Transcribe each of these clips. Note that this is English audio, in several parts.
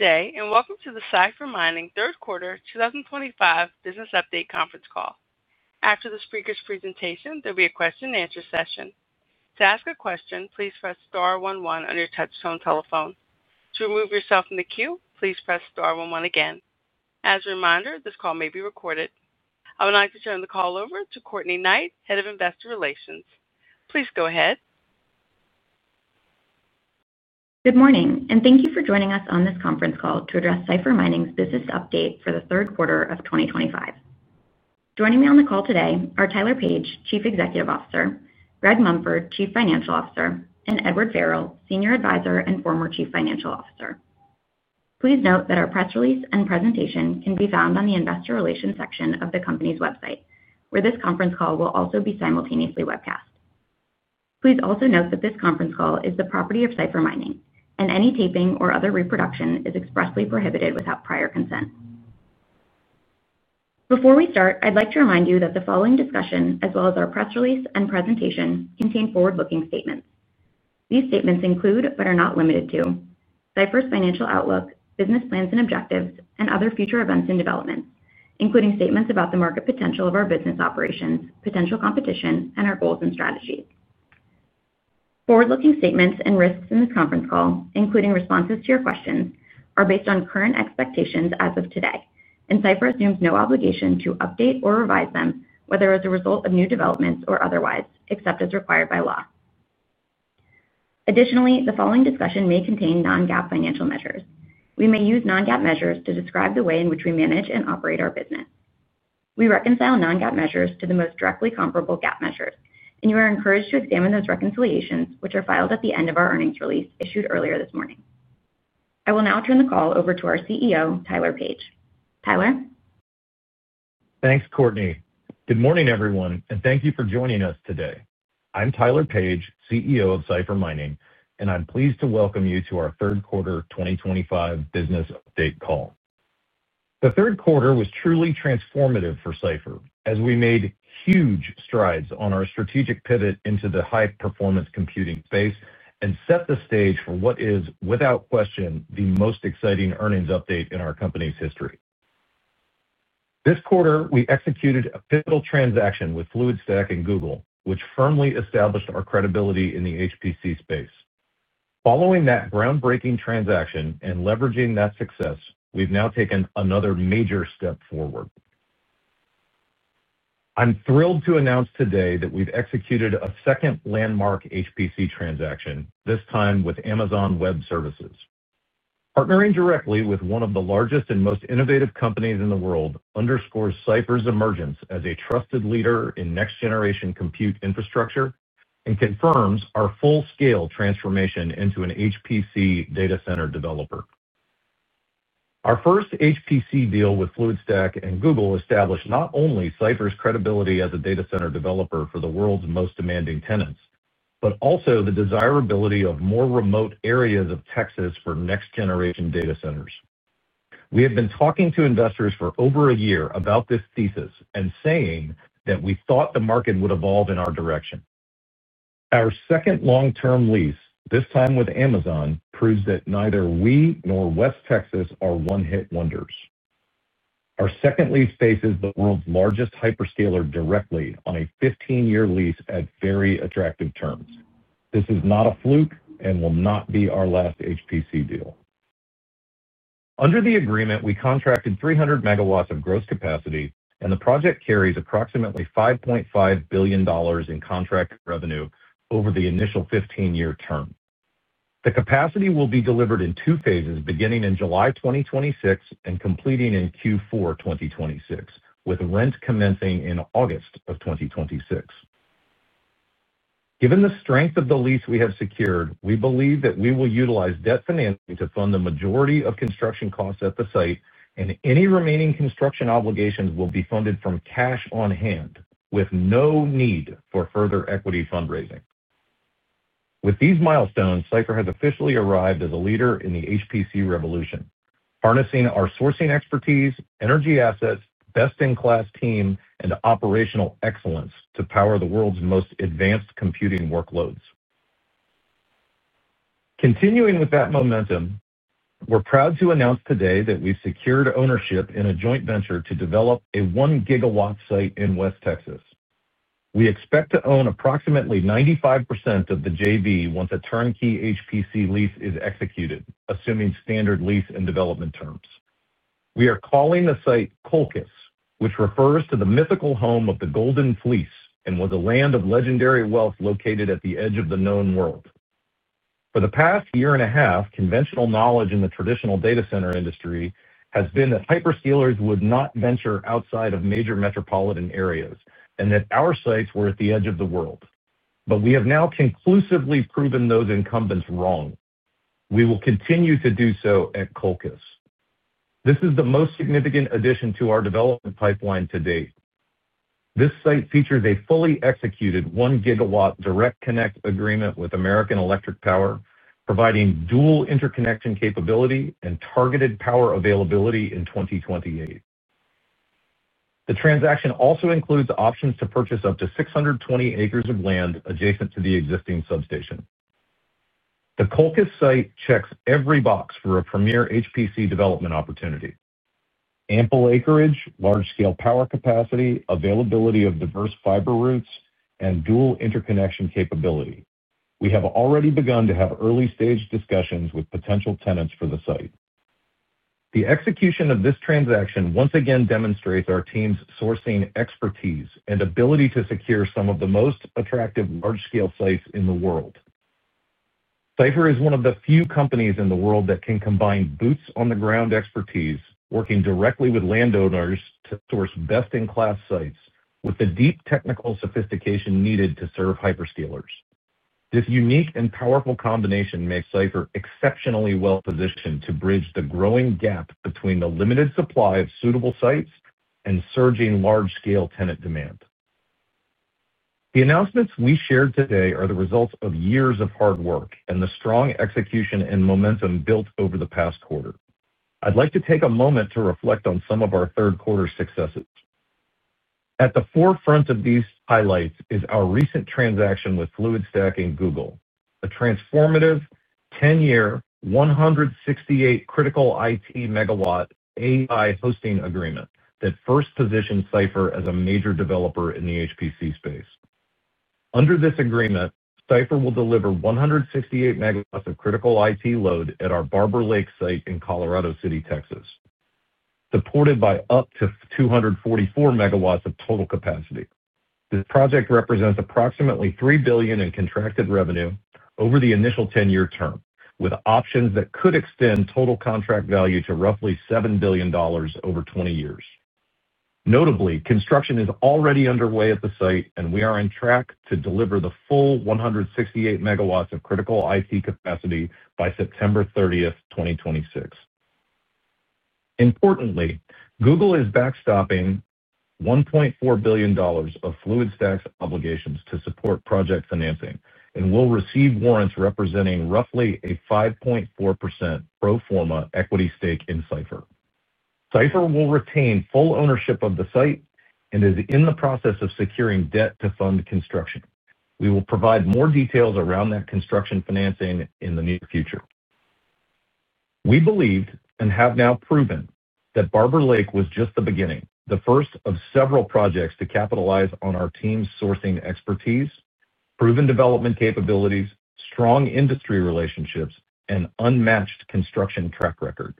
Good day and welcome to the Cipher Mining Q3 2025 Business Update conference call. After the speaker's presentation, there will be a question-and-answer session. To ask a question, please press star one one on your touch-tone telephone. To remove yourself from the queue, please press star one one again. As a reminder, this call may be recorded. I would like to turn the call over to Courtney Knight, Head of Investor Relations. Please go ahead. Good morning, and thank you for joining us on this conference call to address Cipher Mining's business update for the Q3 of 2025. Joining me on the call today are Tyler Page, Chief Executive Officer; Greg Mumford, Chief Financial Officer; and Edward Farrell, Senior Advisor and former Chief Financial Officer. Please note that our press release and presentation can be found on the Investor Relations section of the company's website, where this conference call will also be simultaneously webcast. Please also note that this conference call is the property of Cipher Mining, and any taping or other reproduction is expressly prohibited without prior consent. Before we start, I'd like to remind you that the following discussion, as well as our press release and presentation, contain forward-looking statements. These statements include, but are not limited to: Cipher's financial outlook, business plans and objectives, and other future events and developments, including statements about the market potential of our business operations, potential competition, and our goals and strategies. Forward-looking statements and risks in this conference call, including responses to your questions, are based on current expectations as of today, and Cipher assumes no obligation to update or revise them, whether as a result of new developments or otherwise, except as required by law. Additionally, the following discussion may contain non-GAAP financial measures. We may use non-GAAP measures to describe the way in which we manage and operate our business. We reconcile non-GAAP measures to the most directly comparable GAAP measures, and you are encouraged to examine those reconciliations, which are filed at the end of our earnings release issued earlier this morning. I will now turn the call over to our CEO, Tyler Page. Tyler. Thanks, Courtney. Good morning, everyone, and thank you for joining us today. I'm Tyler Page, CEO of Cipher Mining, and I'm pleased to welcome you to our Q3 2025 Business Update call. The Q3 was truly transformative for Cipher, as we made huge strides on our strategic pivot into the high-performance computing space and set the stage for what is, without question, the most exciting earnings update in our company's history. This quarter, we executed a pivotal transaction with Fluidstack and Google, which firmly established our credibility in the HPC space. Following that groundbreaking transaction and leveraging that success, we've now taken another major step forward. I'm thrilled to announce today that we've executed a second landmark HPC transaction, this time with Amazon Web Services. Partnering directly with one of the largest and most innovative companies in the world underscores Cipher's emergence as a trusted leader in next-generation compute infrastructure and confirms our full-scale transformation into an HPC data center developer. Our first HPC deal with Fluidstack and Google established not only Cipher's credibility as a data center developer for the world's most demanding tenants, but also the desirability of more remote areas of Texas for next-generation data centers. We have been talking to investors for over a year about this thesis and saying that we thought the market would evolve in our direction. Our second long-term lease, this time with Amazon, proves that neither we nor West Texas are one-hit wonders. Our second lease faces the world's largest hyperscaler directly on a 15-year lease at very attractive terms. This is not a fluke and will not be our last HPC deal. Under the agreement, we contracted 300 MW of gross capacity, and the project carries approximately $5.5 billion in contract revenue over the initial 15-year term. The capacity will be delivered in two phases, beginning in July 2026 and completing in Q4 2026, with rent commencing in August of 2026. Given the strength of the lease we have secured, we believe that we will utilize debt financing to fund the majority of construction costs at the site, and any remaining construction obligations will be funded from cash on hand, with no need for further equity fundraising. With these milestones, Cipher has officially arrived as a leader in the HPC revolution, harnessing our sourcing expertise, energy assets, best-in-class team, and operational excellence to power the world's most advanced computing workloads. Continuing with that momentum, we're proud to announce today that we've secured ownership in a joint venture to develop a 1 GW site in West Texas. We expect to own approximately 95% of the JV once a turnkey HPC lease is executed, assuming standard lease and development terms. We are calling the site Colchis, which refers to the mythical home of the Golden Fleece and was a land of legendary wealth located at the edge of the known world. For the past year and a half, conventional knowledge in the traditional data center industry has been that hyperscalers would not venture outside of major metropolitan areas and that our sites were at the edge of the world. We have now conclusively proven those incumbents wrong. We will continue to do so at Colchis. This is the most significant addition to our development pipeline to date. This site features a fully executed 1 GW direct-connect agreement with American Electric Power, providing dual interconnection capability and targeted power availability in 2028. The transaction also includes options to purchase up to 620 acres of land adjacent to the existing substation. The Colchis site checks every box for a premier HPC development opportunity: ample acreage, large-scale power capacity, availability of diverse fiber routes, and dual interconnection capability. We have already begun to have early-stage discussions with potential tenants for the site. The execution of this transaction once again demonstrates our team's sourcing expertise and ability to secure some of the most attractive large-scale sites in the world. Cipher is one of the few companies in the world that can combine boots-on-the-ground expertise, working directly with landowners to source best-in-class sites with the deep technical sophistication needed to serve hyperscalers. This unique and powerful combination makes Cipher exceptionally well-positioned to bridge the growing gap between the limited supply of suitable sites and surging large-scale tenant demand. The announcements we shared today are the results of years of hard work and the strong execution and momentum built over the past quarter. I'd like to take a moment to reflect on some of our Q3 successes. At the forefront of these highlights is our recent transaction with Fluidstack and Google, a transformative 10-year, 168 critical IT megawatt AI hosting agreement that first positioned Cipher as a major developer in the HPC space. Under this agreement, Cipher will deliver 168 MW of critical IT load at our Barber Lake site in Colorado City, Texas, supported by up to 244 MW of total capacity. This project represents approximately $3 billion in contracted revenue over the initial 10-year term, with options that could extend total contract value to roughly $7 billion over 20 years. Notably, construction is already underway at the site, and we are on track to deliver the full 168 MW of critical IT capacity by September 30, 2026. Importantly, Google is backstopping $1.4 billion of Fluidstack's obligations to support project financing and will receive warrants representing roughly a 5.4% pro forma equity stake in Cypher. Cipher will retain full ownership of the site and is in the process of securing debt to fund construction. We will provide more details around that construction financing in the near future. We believed and have now proven that Barber Lake was just the beginning, the first of several projects to capitalize on our team's sourcing expertise, proven development capabilities, strong industry relationships, and unmatched construction track record.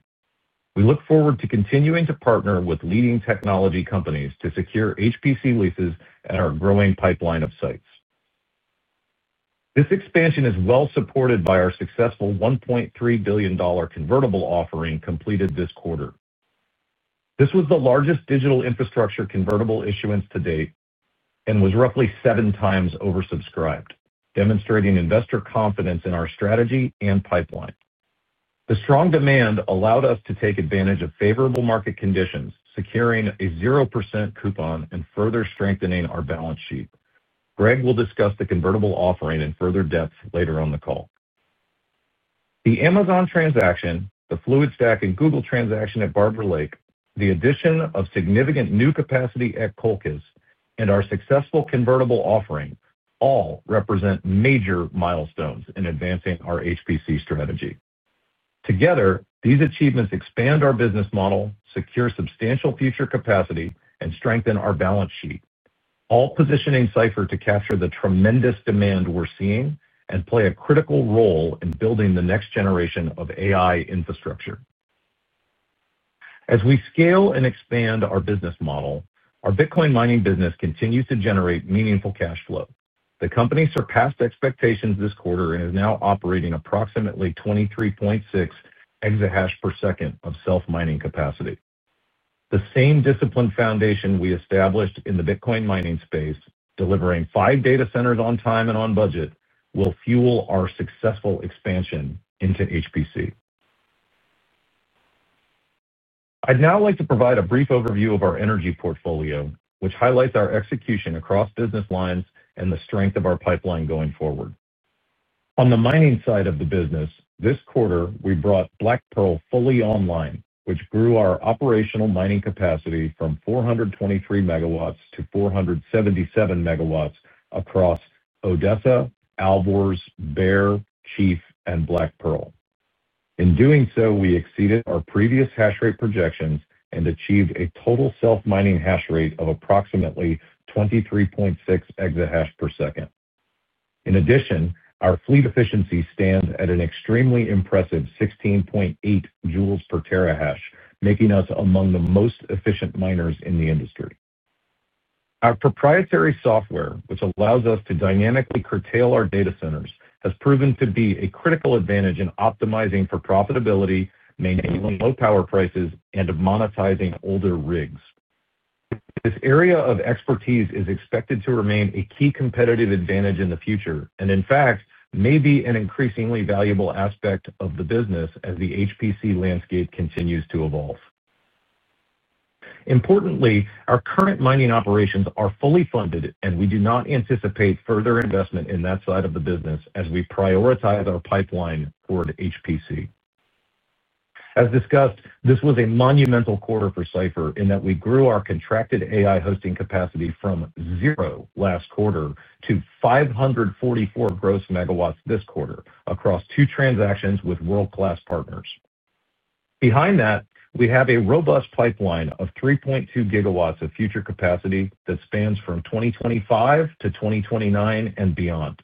We look forward to continuing to partner with leading technology companies to secure HPC leases at our growing pipeline of sites. This expansion is well-supported by our successful $1.3 billion convertible offering completed this quarter. This was the largest digital infrastructure convertible issuance to date and was roughly seven times oversubscribed, demonstrating investor confidence in our strategy and pipeline. The strong demand allowed us to take advantage of favorable market conditions, securing a 0% coupon and further strengthening our balance sheet. Greg will discuss the convertible offering in further depth later on the call. The Amazon transaction, the Fluidstack and Google transaction at Barber Lake, the addition of significant new capacity at Colchis, and our successful convertible offering all represent major milestones in advancing our HPC strategy. Together, these achievements expand our business model, secure substantial future capacity, and strengthen our balance sheet, all positioning Cypher to capture the tremendous demand we're seeing and play a critical role in building the next generation of AI infrastructure. As we scale and expand our business model, our Bitcoin mining business continues to generate meaningful cash flow. The company surpassed expectations this quarter and is now operating approximately 23.6 exahash per second of self-mining capacity. The same disciplined foundation we established in the Bitcoin mining space, delivering five data centers on time and on budget, will fuel our successful expansion into HPC. I'd now like to provide a brief overview of our energy portfolio, which highlights our execution across business lines and the strength of our pipeline going forward. On the mining side of the business, this quarter, we brought Black Pearl fully online, which grew our operational mining capacity from 423 MW to 477 MW across Odessa, Alborz, Bare, Chief, and Black Pearl. In doing so, we exceeded our previous hash rate projections and achieved a total self-mining hash rate of approximately 23.6 exahash per second. In addition, our fleet efficiency stands at an extremely impressive 16.8 joules per terahash, making us among the most efficient miners in the industry. Our proprietary software, which allows us to dynamically curtail our data centers, has proven to be a critical advantage in optimizing for profitability, maintaining low power prices, and monetizing older rigs. This area of expertise is expected to remain a key competitive advantage in the future and, in fact, may be an increasingly valuable aspect of the business as the HPC landscape continues to evolve. Importantly, our current mining operations are fully funded, and we do not anticipate further investment in that side of the business as we prioritize our pipeline toward HPC. As discussed, this was a monumental quarter for Cipher in that we grew our contracted AI hosting capacity from zero last quarter to 544 gross MW this quarter across two transactions with world-class partners. Behind that, we have a robust pipeline of 3.2 GW of future capacity that spans from 2025 to 2029 and beyond.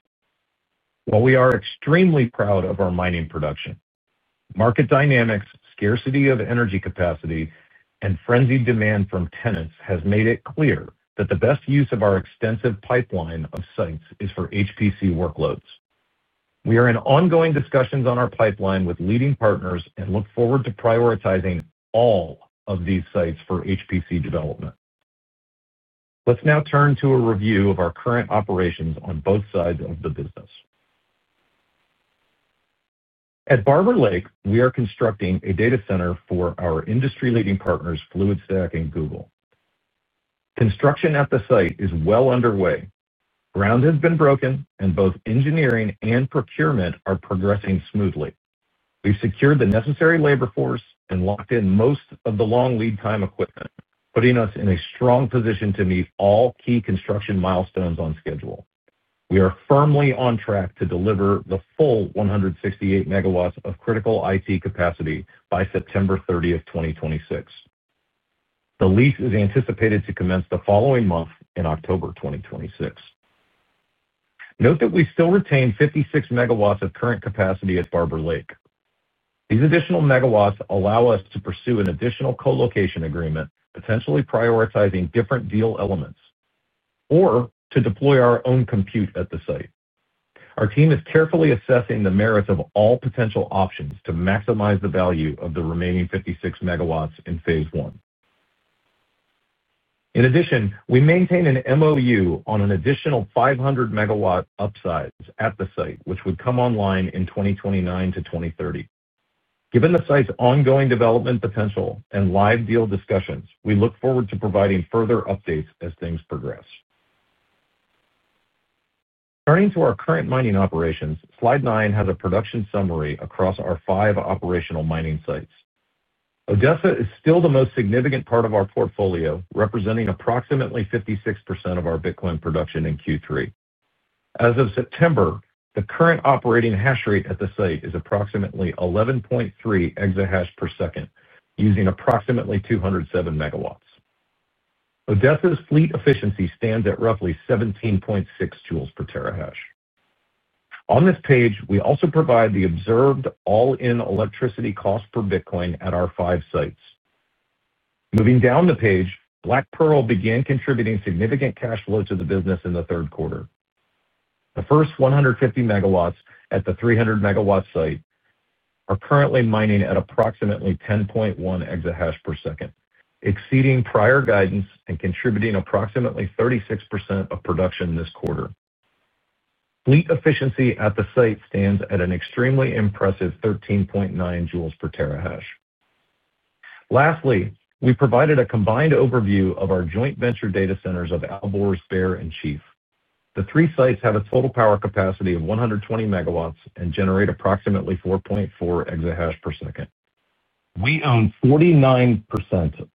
While we are extremely proud of our mining production, market dynamics, scarcity of energy capacity, and frenzied demand from tenants have made it clear that the best use of our extensive pipeline of sites is for HPC workloads. We are in ongoing discussions on our pipeline with leading partners and look forward to prioritizing all of these sites for HPC development. Let's now turn to a review of our current operations on both sides of the business. At Barber Lake, we are constructing a data center for our industry-leading partners, Fluidstack and Google. Construction at the site is well underway. Ground has been broken, and both engineering and procurement are progressing smoothly. We've secured the necessary labor force and locked in most of the long lead-time equipment, putting us in a strong position to meet all key construction milestones on schedule. We are firmly on track to deliver the full 168 MW of critical IT capacity by September 30, 2026. The lease is anticipated to commence the following month in October 2026. Note that we still retain 56 MW of current capacity at Barber Lake. These additional megawatts allow us to pursue an additional colocation agreement, potentially prioritizing different deal elements, or to deploy our own compute at the site. Our team is carefully assessing the merits of all potential options to maximize the value of the remaining 56 MW in phase I. In addition, we maintain an MoU on an additional 500 MW upsize at the site, which would come online in 2029 to 2030. Given the site's ongoing development potential and live deal discussions, we look forward to providing further updates as things progress. Turning to our current mining operations, Slide 9 has a production summary across our five operational mining sites. Odessa is still the most significant part of our portfolio, representing approximately 56% of our Bitcoin production in Q3. As of September, the current operating hash rate at the site is approximately 11.3 exahash per second, using approximately 207 MW. Odessa's fleet efficiency stands at roughly 17.6 joules per terahash. On this page, we also provide the observed all-in electricity cost per Bitcoin at our five sites. Moving down the page, Black Pearl began contributing significant cash flow to the business in the third quarter. The first 150 MW at the 300 MW site are currently mining at approximately 10.1 exahash per second, exceeding prior guidance and contributing approximately 36% of production this quarter. Fleet efficiency at the site stands at an extremely impressive 13.9 joules per terahash. Lastly, we provided a combined overview of our joint venture data centers of Alborz, Bare, and Chief. The three sites have a total power capacity of 120 MW and generate approximately 4.4 exahash per second. We own 49%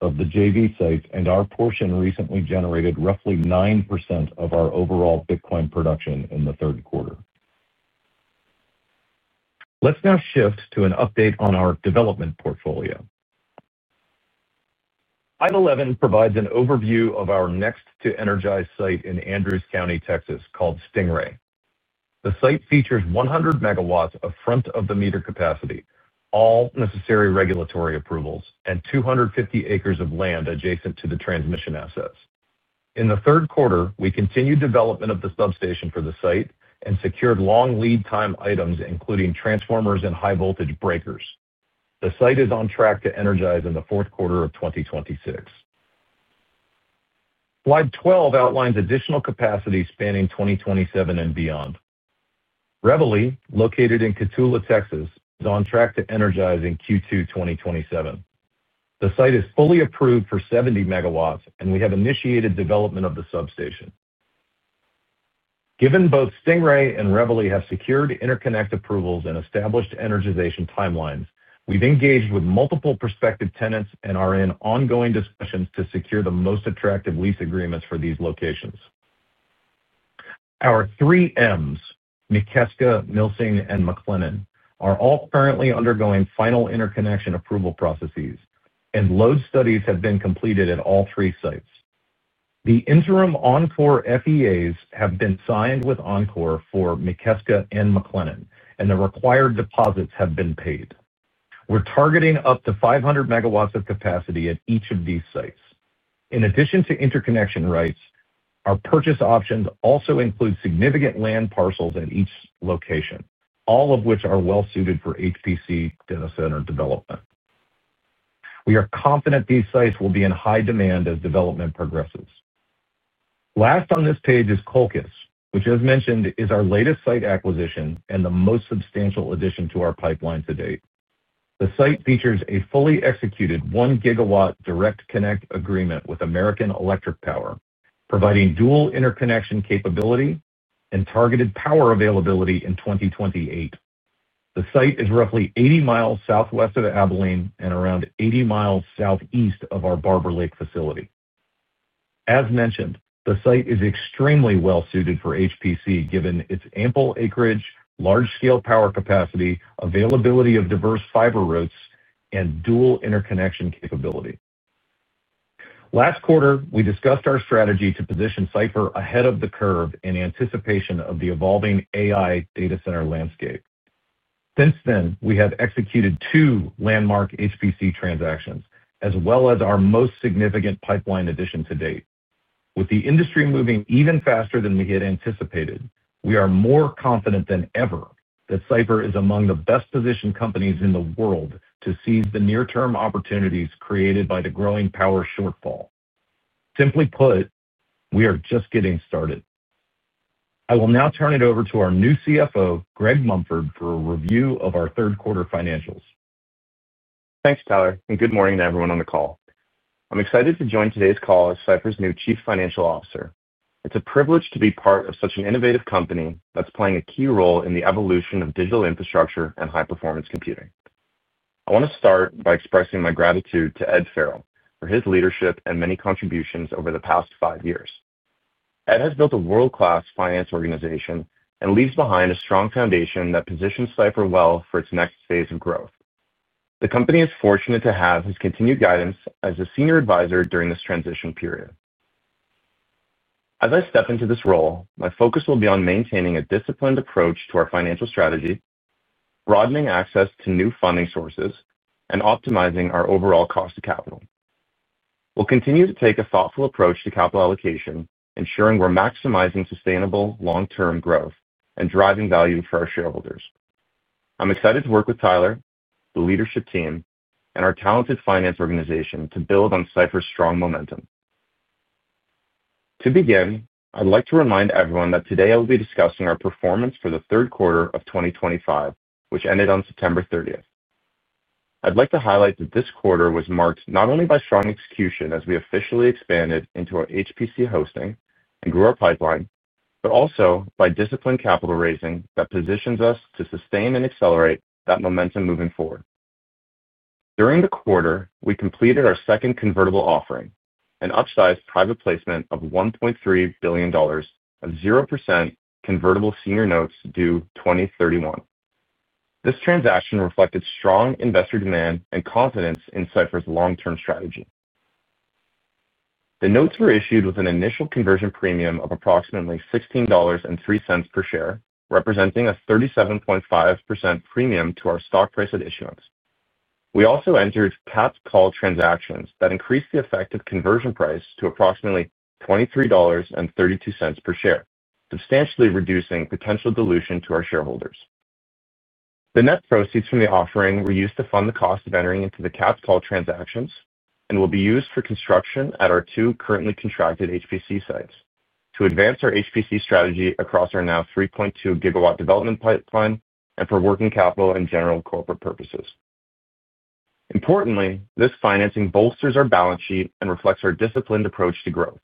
of the JV sites and our portion recently generated roughly 9% of our overall Bitcoin production in the third quarter. Let's now shift to an update on our development portfolio. Slide 11 provides an overview of our next-to-energize site in Andrews County, Texas, called Stingray. The site features 100 MW of front-of-the-meter capacity, all necessary regulatory approvals, and 250 acres of land adjacent to the transmission assets. In the third quarter, we continued development of the substation for the site and secured long lead-time items, including transformers and high-voltage breakers. The site is on track to energize in the fourth quarter of 2026. Slide 12 outlines additional capacity spanning 2027 and beyond. Reveille, located in Cotulla, Texas, is on track to energize in Q2 2027. The site is fully approved for 70 MW, and we have initiated development of the substation. Given both Stingray and Reveille have secured interconnect approvals and established energization timelines, we've engaged with multiple prospective tenants and are in ongoing discussions to secure the most attractive lease agreements for these locations. Our three Ms, McKeska, Millican, and McLennan, are all currently undergoing final interconnection approval processes, and load studies have been completed at all three sites. The interim Oncor FEAs have been signed with Oncor for McKeska and McLennan, and the required deposits have been paid. We're targeting up to 500 MW of capacity at each of these sites. In addition to interconnection rights, our purchase options also include significant land parcels at each location, all of which are well-suited for HPC data center development. We are confident these sites will be in high demand as development progresses. Last on this page is Colchis, which, as mentioned, is our latest site acquisition and the most substantial addition to our pipeline to date. The site features a fully executed 1 GW direct-connect agreement with American Electric Power, providing dual interconnection capability and targeted power availability in 2028. The site is roughly 80 mi southwest of Abilene and around 80 mi southeast of our Barber Lake facility. As mentioned, the site is extremely well-suited for HPC given its ample acreage, large-scale power capacity, availability of diverse fiber routes, and dual interconnection capability. Last quarter, we discussed our strategy to position Cipher ahead of the curve in anticipation of the evolving AI data center landscape. Since then, we have executed two landmark HPC transactions, as well as our most significant pipeline addition to date. With the industry moving even faster than we had anticipated, we are more confident than ever that Cipher is among the best-positioned companies in the world to seize the near-term opportunities created by the growing power shortfall. Simply put, we are just getting started. I will now turn it over to our new CFO, Greg Mumford, for a review of our third-quarter financials. Thanks, Tyler, and good morning to everyone on the call. I'm excited to join today's call as Cipher's new Chief Financial Officer. It's a privilege to be part of such an innovative company that's playing a key role in the evolution of digital infrastructure and high-performance computing. I want to start by expressing my gratitude to Ed Farrell for his leadership and many contributions over the past five years. Ed has built a world-class finance organization and leaves behind a strong foundation that positions Cipher well for its next phase of growth. The company is fortunate to have his continued guidance as a Senior Advisor during this transition period. As I step into this role, my focus will be on maintaining a disciplined approach to our financial strategy, broadening access to new funding sources, and optimizing our overall cost of capital. We'll continue to take a thoughtful approach to capital allocation, ensuring we're maximizing sustainable long-term growth and driving value for our shareholders. I'm excited to work with Tyler, the leadership team, and our talented finance organization to build on Cipher's strong momentum. To begin, I'd like to remind everyone that today I will be discussing our performance for the third quarter of 2025, which ended on September 30th. I'd like to highlight that this quarter was marked not only by strong execution as we officially expanded into our HPC hosting and grew our pipeline, but also by disciplined capital raising that positions us to sustain and accelerate that momentum moving forward. During the quarter, we completed our second convertible offering, an upsized private placement of $1.3 billion of 0% Convertible Senior Notes due 2031. This transaction reflected strong investor demand and confidence in Cipher's long-term strategy. The notes were issued with an initial conversion premium of approximately $16.03 per share, representing a 37.5% premium to our stock price at issuance. We also entered capped call transactions that increased the effective conversion price to approximately $23.32 per share, substantially reducing potential dilution to our shareholders. The net proceeds from the offering were used to fund the cost of entering into the capped call transactions and will be used for construction at our two currently contracted HPC sites to advance our HPC strategy across our now 3.2 GW development pipeline and for working capital and general corporate purposes. Importantly, this financing bolsters our balance sheet and reflects our disciplined approach to growth.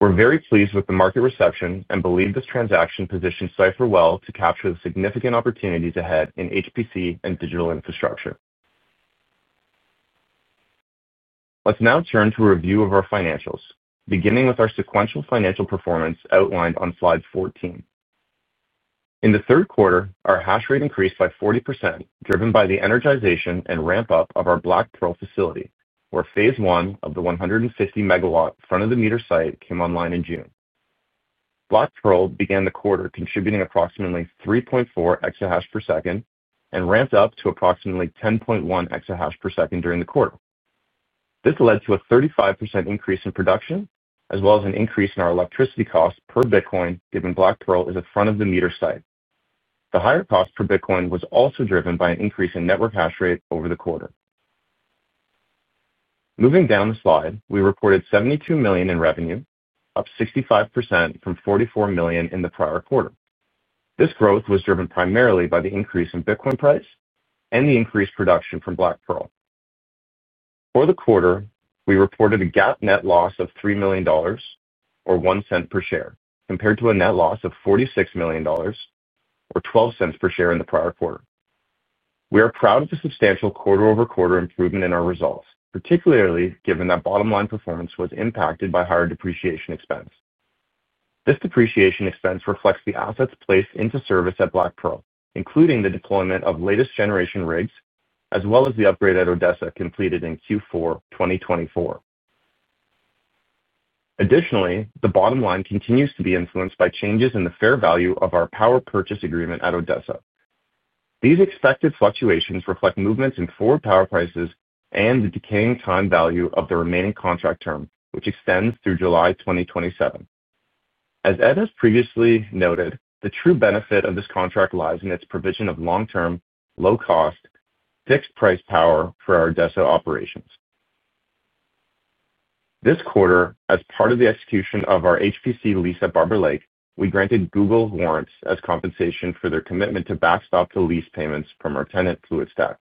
We're very pleased with the market reception and believe this transaction positions Cipher well to capture the significant opportunities ahead in HPC and digital infrastructure. Let's now turn to a review of our financials, beginning with our sequential financial performance outlined on Slide 14. In the third quarter, our hash rate increased by 40%, driven by the energization and ramp-up of our Black Pearl facility, where phase one of the 150 MW front-of-the-meter site came online in June. Black Pearl began the quarter contributing approximately 3.4 exahash per second and ramped up to approximately 10.1 exahash per second during the quarter. This led to a 35% increase in production, as well as an increase in our electricity cost per Bitcoin, given Black Pearl is a front-of-the-meter site. The higher cost per Bitcoin was also driven by an increase in network hash rate over the quarter. Moving down the slide, we reported $72 million in revenue, up 65% from $44 million in the prior quarter. This growth was driven primarily by the increase in Bitcoin price and the increased production from Black Pearl. For the quarter, we reported a GAAP net loss of $3 million, or $0.01 per share, compared to a net loss of $46 million, or $0.12 per share in the prior quarter. We are proud of the substantial quarter-over-quarter improvement in our results, particularly given that bottom-line performance was impacted by higher depreciation expense. This depreciation expense reflects the assets placed into service at Black Pearl, including the deployment of latest-generation rigs, as well as the upgrade at Odessa completed in Q4 2024. Additionally, the bottom line continues to be influenced by changes in the fair value of our power purchase agreement at Odessa. These expected fluctuations reflect movements in forward power prices and the decaying time value of the remaining contract term, which extends through July 2027. As Ed has previously noted, the true benefit of this contract lies in its provision of long-term, low-cost, fixed-price power for our Odessa operations. This quarter, as part of the execution of our HPC lease at Barber Lake, we granted Google warrants as compensation for their commitment to backstop the lease payments from our tenant Fluidstack.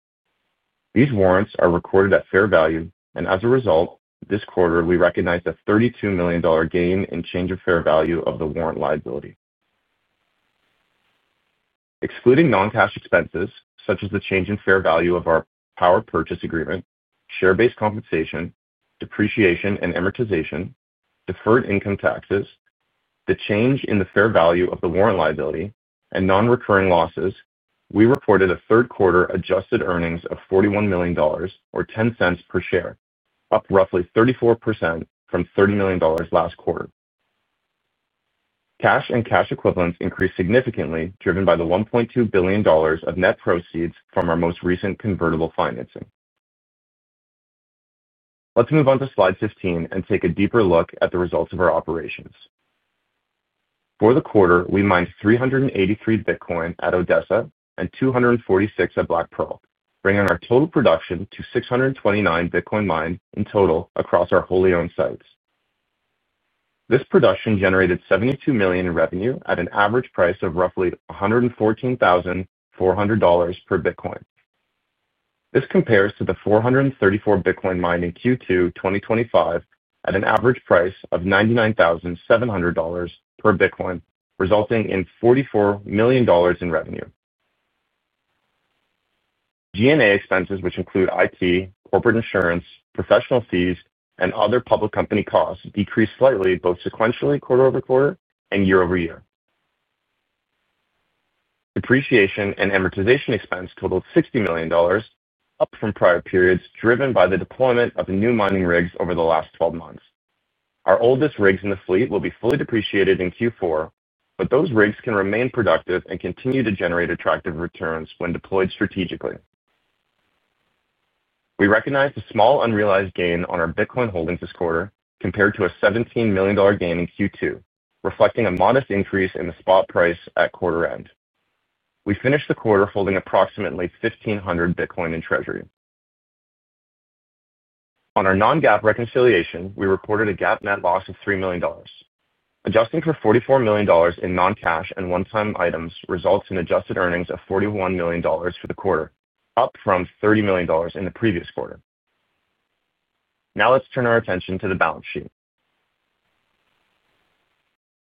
These warrants are recorded at fair value, and as a result, this quarter, we recognize a $32 million gain in change of fair value of the warrant liability. Excluding non-cash expenses, such as the change in fair value of our power purchase agreement, share-based compensation, depreciation and amortization, deferred income taxes, the change in the fair value of the warrant liability, and non-recurring losses, we reported third-quarter adjusted earnings of $41 million, or $0.10 per share, up roughly 34% from $30 million last quarter. Cash and cash equivalents increased significantly, driven by the $1.2 billion of net proceeds from our most recent convertible financing. Let's move on to Slide 15 and take a deeper look at the results of our operations. For the quarter, we mined 383 Bitcoin at Odessa and 246 at Black Pearl, bringing our total production to 629 Bitcoin mined in total across our wholly owned sites. This production generated $72 million in revenue at an average price of roughly $114,400 per Bitcoin. This compares to the 434 Bitcoin mined in Q2 2025 at an average price of $99,700 per Bitcoin, resulting in $44 million in revenue. G&A expenses, which include IT, corporate insurance, professional fees, and other public company costs, decreased slightly both sequentially quarter over quarter and year over year. Depreciation and amortization expense totaled $60 million, up from prior periods driven by the deployment of new mining rigs over the last 12 months. Our oldest rigs in the fleet will be fully depreciated in Q4, but those rigs can remain productive and continue to generate attractive returns when deployed strategically. We recognize a small unrealized gain on our Bitcoin holdings this quarter compared to a $17 million gain in Q2, reflecting a modest increase in the spot price at quarter end. We finished the quarter holding approximately 1,500 Bitcoin in treasury. On our non-GAAP reconciliation, we reported a GAAP net loss of $3 million. Adjusting for $44 million in non-cash and one-time items results in adjusted earnings of $41 million for the quarter, up from $30 million in the previous quarter. Now let's turn our attention to the balance sheet.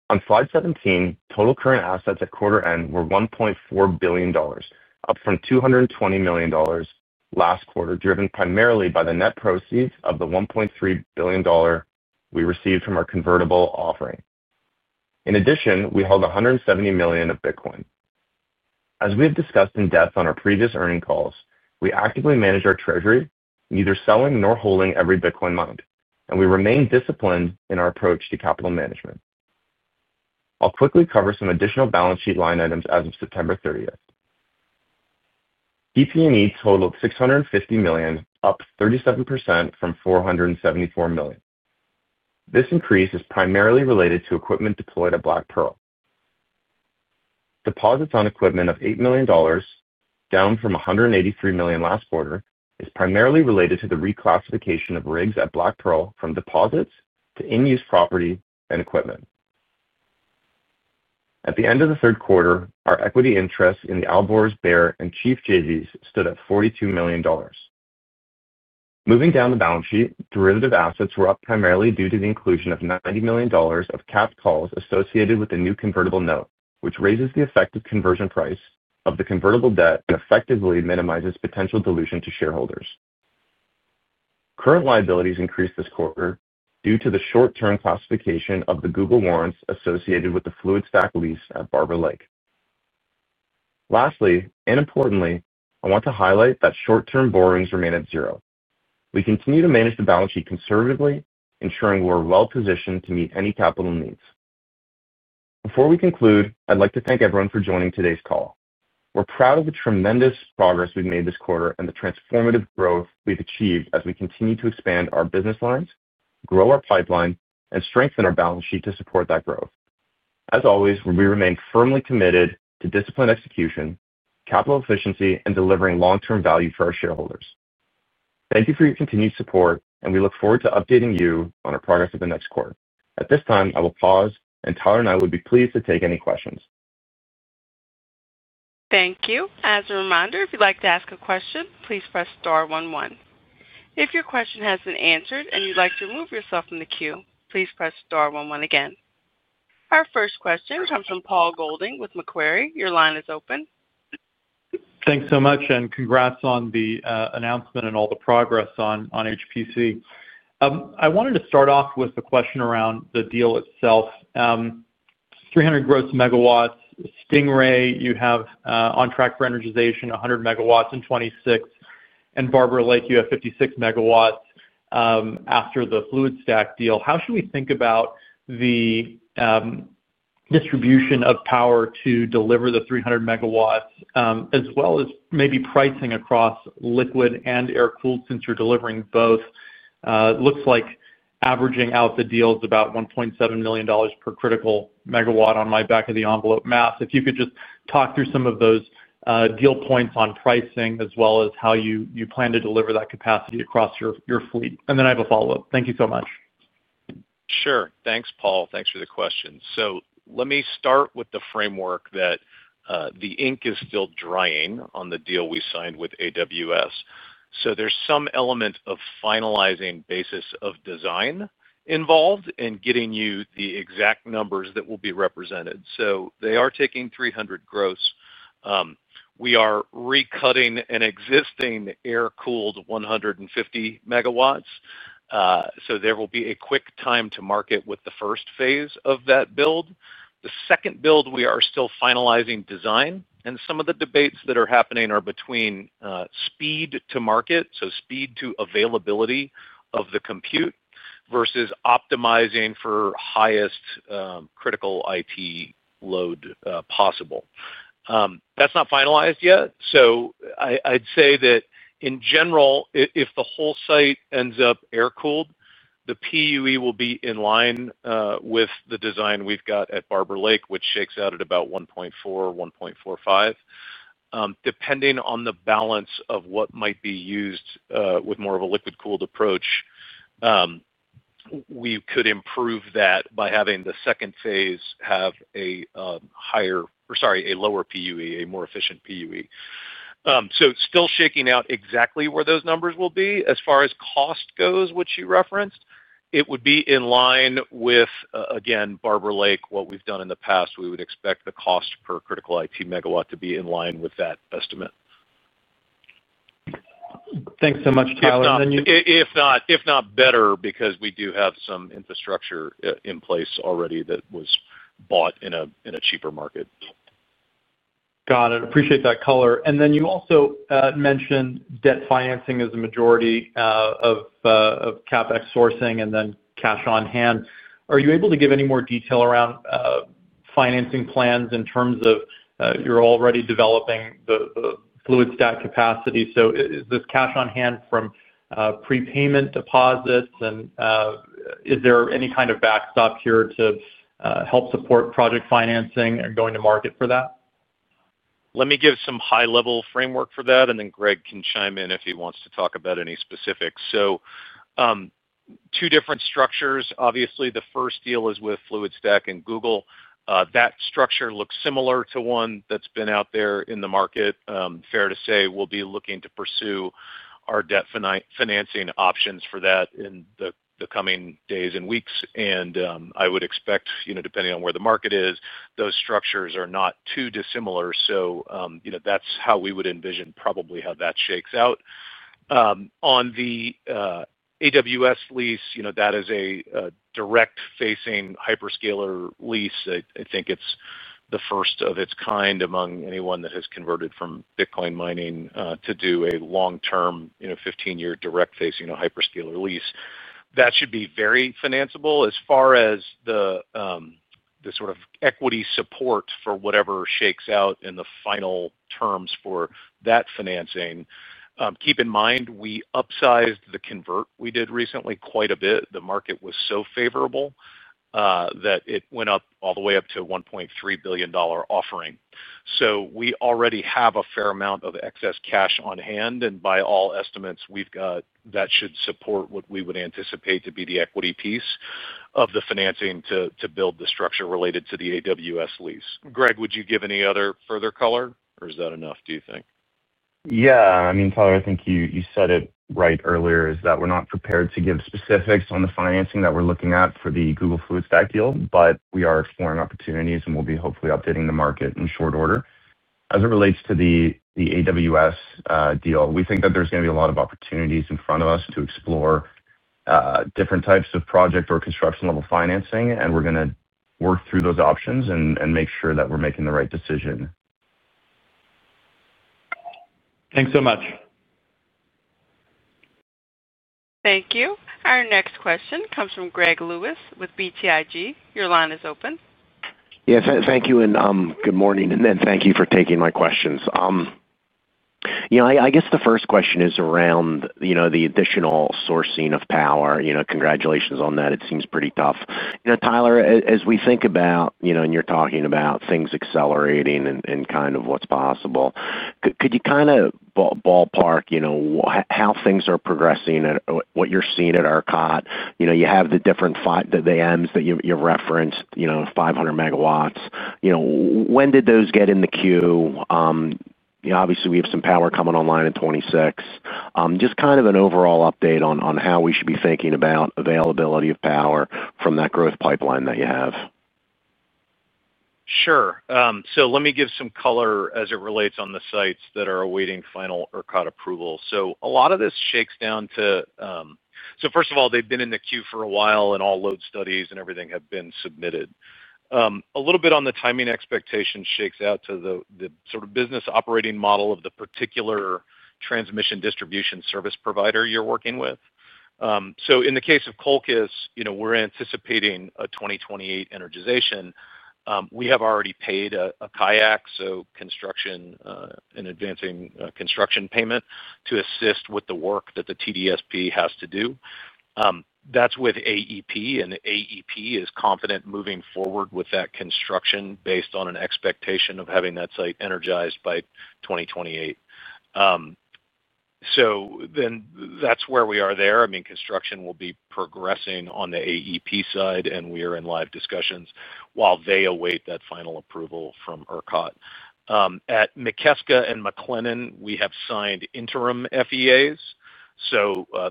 On Slide 17, total current assets at quarter end were $1.4 billion, up from $220 million last quarter, driven primarily by the net proceeds of the $1.3 billion we received from our convertible offering. In addition, we held $170 million of Bitcoin. As we have discussed in depth on our previous earnings calls, we actively manage our treasury, neither selling nor holding every Bitcoin mined, and we remain disciplined in our approach to capital management. I'll quickly cover some additional balance sheet line items as of September 30. PP&E totaled $650 million, up 37% from $474 million. This increase is primarily related to equipment deployed at Black Pearl. Deposits on equipment of $8 million, down from $183 million last quarter, is primarily related to the reclassification of rigs at Black Pearl from deposits to in-use property and equipment. At the end of the third quarter, our equity interests in the Alborz, Baer, and Chief JVs stood at $42 million. Moving down the balance sheet, derivative assets were up primarily due to the inclusion of $90 million of capped calls associated with the new convertible note, which raises the effective conversion price of the convertible debt and effectively minimizes potential dilution to shareholders. Current liabilities increased this quarter due to the short-term classification of the Google warrants associated with the Fluidstack lease at Barber Lake. Lastly, and importantly, I want to highlight that short-term borrowings remain at zero. We continue to manage the balance sheet conservatively, ensuring we're well-positioned to meet any capital needs. Before we conclude, I'd like to thank everyone for joining today's call. We're proud of the tremendous progress we've made this quarter and the transformative growth we've achieved as we continue to expand our business lines, grow our pipeline, and strengthen our balance sheet to support that growth. As always, we remain firmly committed to disciplined execution, capital efficiency, and delivering long-term value for our shareholders. Thank you for your continued support, and we look forward to updating you on our progress for the next quarter. At this time, I will pause, and Tyler and I would be pleased to take any questions. Thank you. As a reminder, if you'd like to ask a question, please press star one one. If your question has been answered and you'd like to remove yourself from the queue, please press star one one again. Our first question comes from Paul Golding with Macquarie. Your line is open. Thanks so much, and congrats on the announcement and all the progress on HPC. I wanted to start off with the question around the deal itself. 300 gross MW, Stingray, you have on track for energization, 100 MW in 2026, and Barber Lake, you have 56 MW. After the Fluidstack deal, how should we think about the distribution of power to deliver the 300 MW, as well as maybe pricing across liquid and air-cooled since you're delivering both? It looks like averaging out the deal is about $1.7 million per critical megawatt on my back-of-the-envelope math. If you could just talk through some of those deal points on pricing, as well as how you plan to deliver that capacity across your fleet. I have a follow-up. Thank you so much. Sure. Thanks, Paul. Thanks for the question. Let me start with the framework that the ink is still drying on the deal we signed with AWS. There is some element of finalizing basis of design involved and getting you the exact numbers that will be represented. They are taking 300 gross. We are recutting an existing air-cooled 150 MW. There will be a quick time to market with the first phase of that build. The second build, we are still finalizing design, and some of the debates that are happening are between speed to market, so speed to availability of the compute, versus optimizing for highest critical IT load possible. That is not finalized yet. I would say that, in general, if the whole site ends up air-cooled, the PUE will be in line with the design we have at Barber Lake, which shakes out at about 1.4-1.45. Depending on the balance of what might be used with more of a liquid-cooled approach, we could improve that by having the second phase have a lower PUE, a more efficient PUE. Still shaking out exactly where those numbers will be. As far as cost goes, which you referenced, it would be in line with, again, Barber Lake, what we have done in the past. We would expect the cost per critical IT megawatt to be in line with that estimate. Thanks so much, Tyler. Then you— If not, if not better, because we do have some infrastructure in place already that was bought in a cheaper market. Got it. Appreciate that color. You also mentioned debt financing as a majority of CapEx sourcing and then cash on hand. Are you able to give any more detail around financing plans in terms of you're already developing the Fluidstack capacity? Is this cash on hand from prepayment deposits? Is there any kind of backstop here to help support project financing and going to market for that? Let me give some high-level framework for that, and then Greg can chime in if he wants to talk about any specifics. Two different structures. Obviously, the first deal is with Fluidstack and Google. That structure looks similar to one that's been out there in the market. Fair to say we'll be looking to pursue our debt financing options for that in the coming days and weeks. I would expect, depending on where the market is, those structures are not too dissimilar. That is how we would envision probably how that shakes out. On the AWS lease, that is a direct-facing hyperscaler lease. I think it's the first of its kind among anyone that has converted from Bitcoin mining to do a long-term, 15-year direct-facing hyperscaler lease. That should be very financeable. As far as the sort of equity support for whatever shakes out in the final terms for that financing, keep in mind we upsized the convert we did recently quite a bit. The market was so favorable that it went all the way up to a $1.3 billion offering. We already have a fair amount of excess cash on hand, and by all estimates, we've got that should support what we would anticipate to be the equity piece of the financing to build the structure related to the AWS lease. Greg, would you give any other further color, or is that enough, do you think? Yeah. I mean, Tyler, I think you said it right earlier, is that we're not prepared to give specifics on the financing that we're looking at for the Google Fluidstack deal, but we are exploring opportunities, and we'll be hopefully updating the market in short order. As it relates to the AWS deal, we think that there's going to be a lot of opportunities in front of us to explore. Different types of project or construction-level financing, and we're going to work through those options and make sure that we're making the right decision. Thanks so much. Thank you. Our next question comes from Greg Lewis with BTIG. Your line is open. Yeah. Thank you, and good morning, and thank you for taking my questions. I guess the first question is around the additional sourcing of power. Congratulations on that. It seems pretty tough. Tyler, as we think about, and you're talking about things accelerating and kind of what's possible, could you kind of ballpark how things are progressing and what you're seeing at ERCOT? You have the different ends that you've referenced, 500 MW. When did those get in the queue? Obviously, we have some power coming online in 2026. Just kind of an overall update on how we should be thinking about availability of power from that growth pipeline that you have. Sure. Let me give some color as it relates on the sites that are awaiting final ERCOT approval. A lot of this shakes down to— First of all, they've been in the queue for a while, and all load studies and everything have been submitted. A little bit on the timing expectation shakes out to the sort of business operating model of the particular transmission distribution service provider you're working with. In the case of Colchis, we're anticipating a 2028 energization. We have already paid a capex, so construction and advancing construction payment to assist with the work that the TDSP has to do. That's with AEP, and AEP is confident moving forward with that construction based on an expectation of having that site energized by 2028. That's where we are there. I mean, construction will be progressing on the AEP side, and we are in live discussions while they await that final approval from ERCOT. At McKeska and McLennan, we have signed interim FEAs.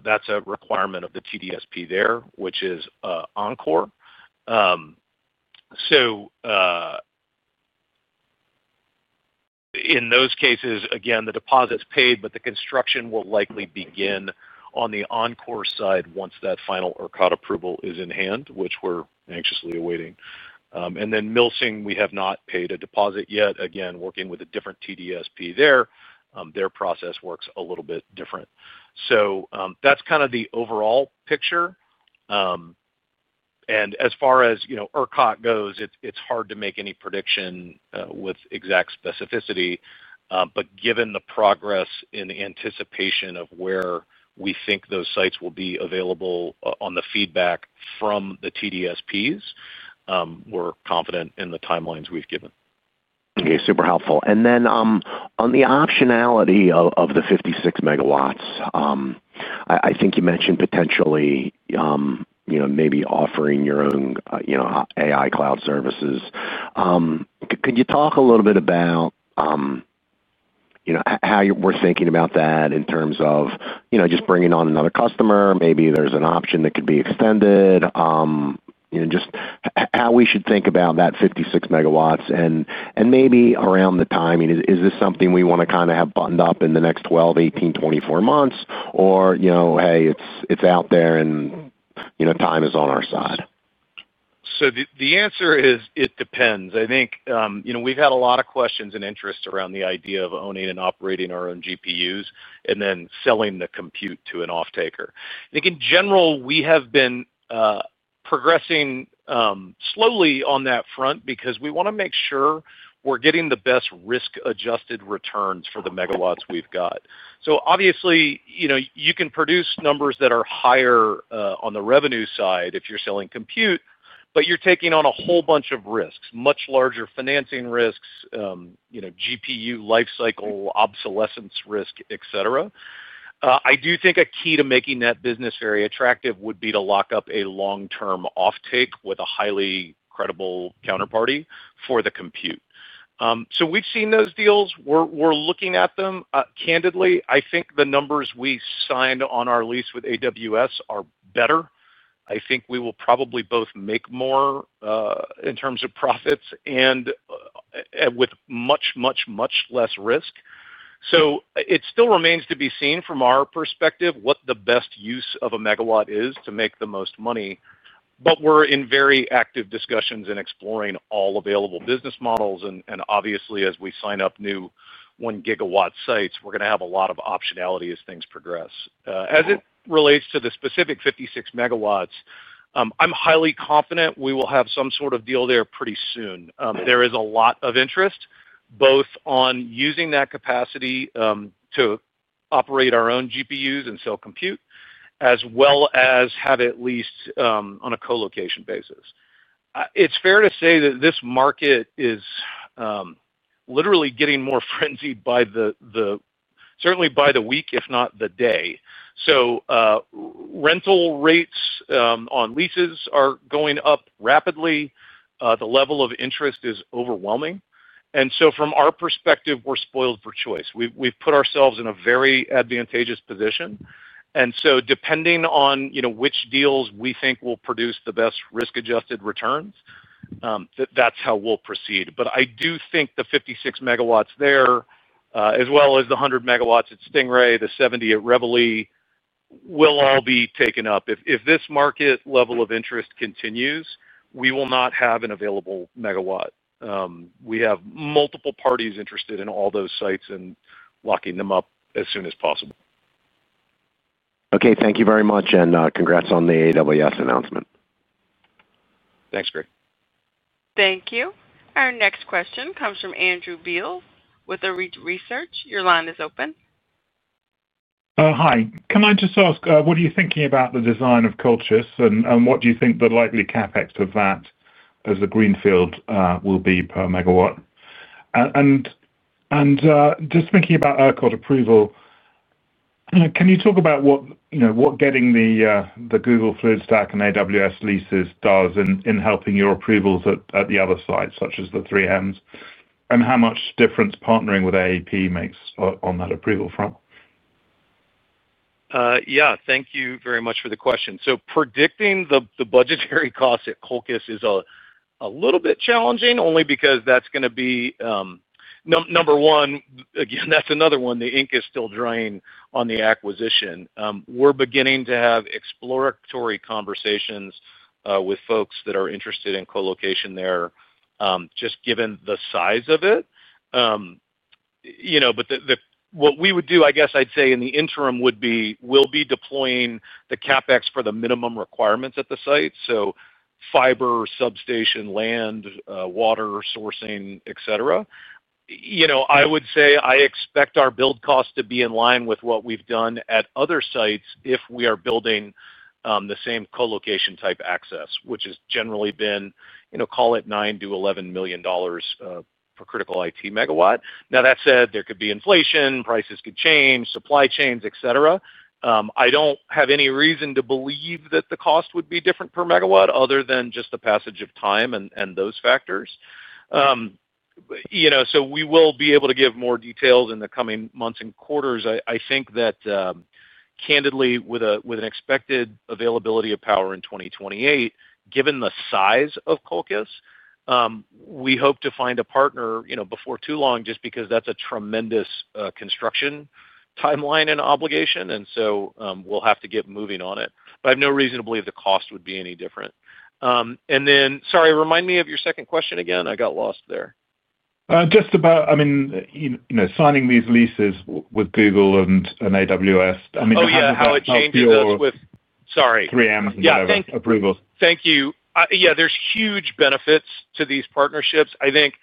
That's a requirement of the TDSP there, which is Oncor. In those cases, again, the deposit's paid, but the construction will likely begin on the Oncor side once that final ERCOT approval is in hand, which we're anxiously awaiting. At Millican, we have not paid a deposit yet. Again, working with a different TDSP there, their process works a little bit different. That's kind of the overall picture. As far as ERCOT goes, it's hard to make any prediction with exact specificity. Given the progress in anticipation of where we think those sites will be available on the feedback from the TDSPs, we're confident in the timelines we've given. Okay. Super helpful. Then on the optionality of the 56 MW. I think you mentioned potentially, maybe offering your own AI cloud services. Could you talk a little bit about how we're thinking about that in terms of just bringing on another customer? Maybe there's an option that could be extended. Just how we should think about that 56 MW and maybe around the timing. Is this something we want to kind of have buttoned up in the next 12, 18, 24 months, or, hey, it's out there and time is on our side? The answer is it depends. I think we've had a lot of questions and interest around the idea of owning and operating our own GPUs and then selling the compute to an off-taker. I think in general, we have been progressing slowly on that front because we want to make sure we're getting the best risk-adjusted returns for the megawatts we've got. Obviously, you can produce numbers that are higher on the revenue side if you're selling compute, but you're taking on a whole bunch of risks, much larger financing risks, GPU lifecycle, obsolescence risk, etc. I do think a key to making that business very attractive would be to lock up a long-term off-take with a highly credible counterparty for the compute. We've seen those deals. We're looking at them. Candidly, I think the numbers we signed on our lease with AWS are better. I think we will probably both make more in terms of profits and with much, much, much less risk. It still remains to be seen from our perspective what the best use of a megawatt is to make the most money. We're in very active discussions and exploring all available business models. Obviously, as we sign up new 1 GW sites, we're going to have a lot of optionality as things progress. As it relates to the specific 56 MW, I'm highly confident we will have some sort of deal there pretty soon. There is a lot of interest both on using that capacity to operate our own GPUs and sell compute, as well as have it leased on a co-location basis. It's fair to say that this market is literally getting more frenzied by the week, if not the day. Rental rates on leases are going up rapidly. The level of interest is overwhelming. From our perspective, we're spoiled for choice. We've put ourselves in a very advantageous position. Depending on which deals we think will produce the best risk-adjusted returns, that's how we'll proceed. I do think the 56 MW there, as well as the 100 MW at Stingray, the 70 MW at Reveille, will all be taken up. If this market level of interest continues, we will not have an available megawatt. We have multiple parties interested in all those sites and locking them up as soon as possible. Okay. Thank you very much, and congrats on the AWS announcement. Thanks, Greg. Thank you. Our next question comes from Andrew Beal with the Ridge Research. Your line is open. Hi. Can I just ask, what are you thinking about the design of Colchis? What do you think the likely capex of that as a greenfield will be per megawatt? Just thinking about ERCOT approval, can you talk about what getting the Google, Fluidstack, and AWS leases does in helping your approvals at the other sites, such as the three Ms, and how much difference partnering with AEP makes on that approval front? Yeah. Thank you very much for the question. Predicting the budgetary costs at Colchis is a little bit challenging, only because that's going to be, number one, again, that's another one. The ink is still drying on the acquisition. We're beginning to have exploratory conversations with folks that are interested in co-location there, just given the size of it. What we would do, I guess I'd say in the interim, would be we'll be deploying the capex for the minimum requirements at the site. Fiber, substation, land, water sourcing, etc. I would say I expect our build cost to be in line with what we've done at other sites if we are building the same co-location type access, which has generally been, call it, $9 million-$11 million for critical IT megawatt. That said, there could be inflation, prices could change, supply chains, etc. I don't have any reason to believe that the cost would be different per megawatt other than just the passage of time and those factors. We will be able to give more details in the coming months and quarters. I think that, candidly, with an expected availability of power in 2028, given the size of Colchis, we hope to find a partner before too long just because that's a tremendous construction timeline and obligation. We will have to get moving on it. I have no reason to believe the cost would be any different. Sorry, remind me of your second question again. I got lost there. Just about, I mean. Signing these leases with Google and AWS. I mean, how it changes us with. Sorry. Three Amazon approvals. Yeah. Thank you. Yeah. There are huge benefits to these partnerships, I think.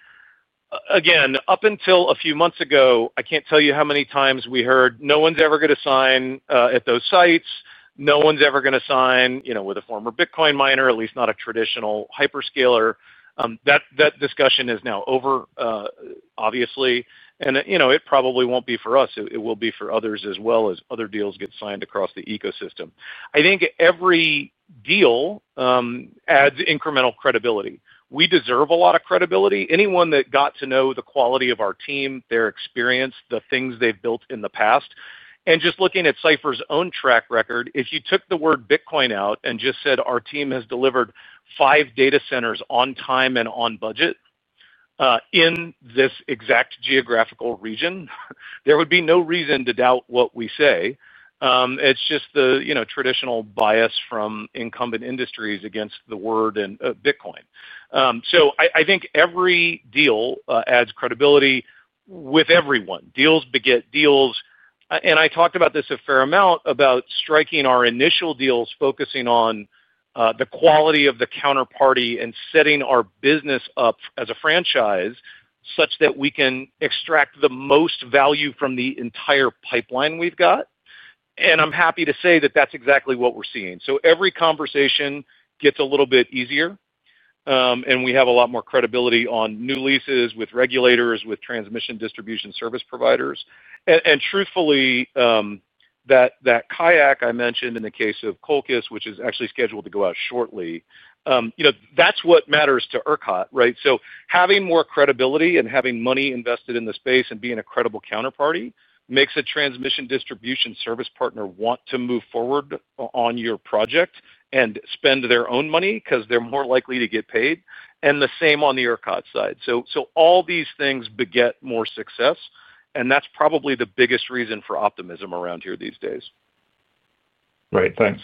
Again, up until a few months ago, I cannot tell you how many times we heard, "No one's ever going to sign at those sites. No one's ever going to sign with a former Bitcoin miner, at least not a traditional hyperscaler." That discussion is now over, obviously. It probably will not be for us; it will be for others as well as other deals get signed across the ecosystem. I think every deal adds incremental credibility. We deserve a lot of credibility. Anyone that got to know the quality of our team, their experience, the things they have built in the past, and just looking at Cipher's own track record, if you took the word Bitcoin out and just said, "Our team has delivered five data centers on time and on budget in this exact geographical region," there would be no reason to doubt what we say. It is just the traditional bias from incumbent industries against the word and Bitcoin. I think every deal adds credibility with everyone. Deals beget deals. I talked about this a fair amount, about striking our initial deals, focusing on the quality of the counterparty, and setting our business up as a franchise such that we can extract the most value from the entire pipeline we have got. I am happy to say that is exactly what we are seeing. Every conversation gets a little bit easier, and we have a lot more credibility on new leases with regulators, with transmission distribution service providers. Truthfully, that kayak I mentioned in the case of Colchis which is actually scheduled to go out shortly, that is what matters to ERCOT, right? Having more credibility and having money invested in the space and being a credible counterparty makes a transmission distribution service partner want to move forward on your project and spend their own money because they are more likely to get paid. The same on the ERCOT side. All these things beget more success, and that is probably the biggest reason for optimism around here these days. Right. Thanks.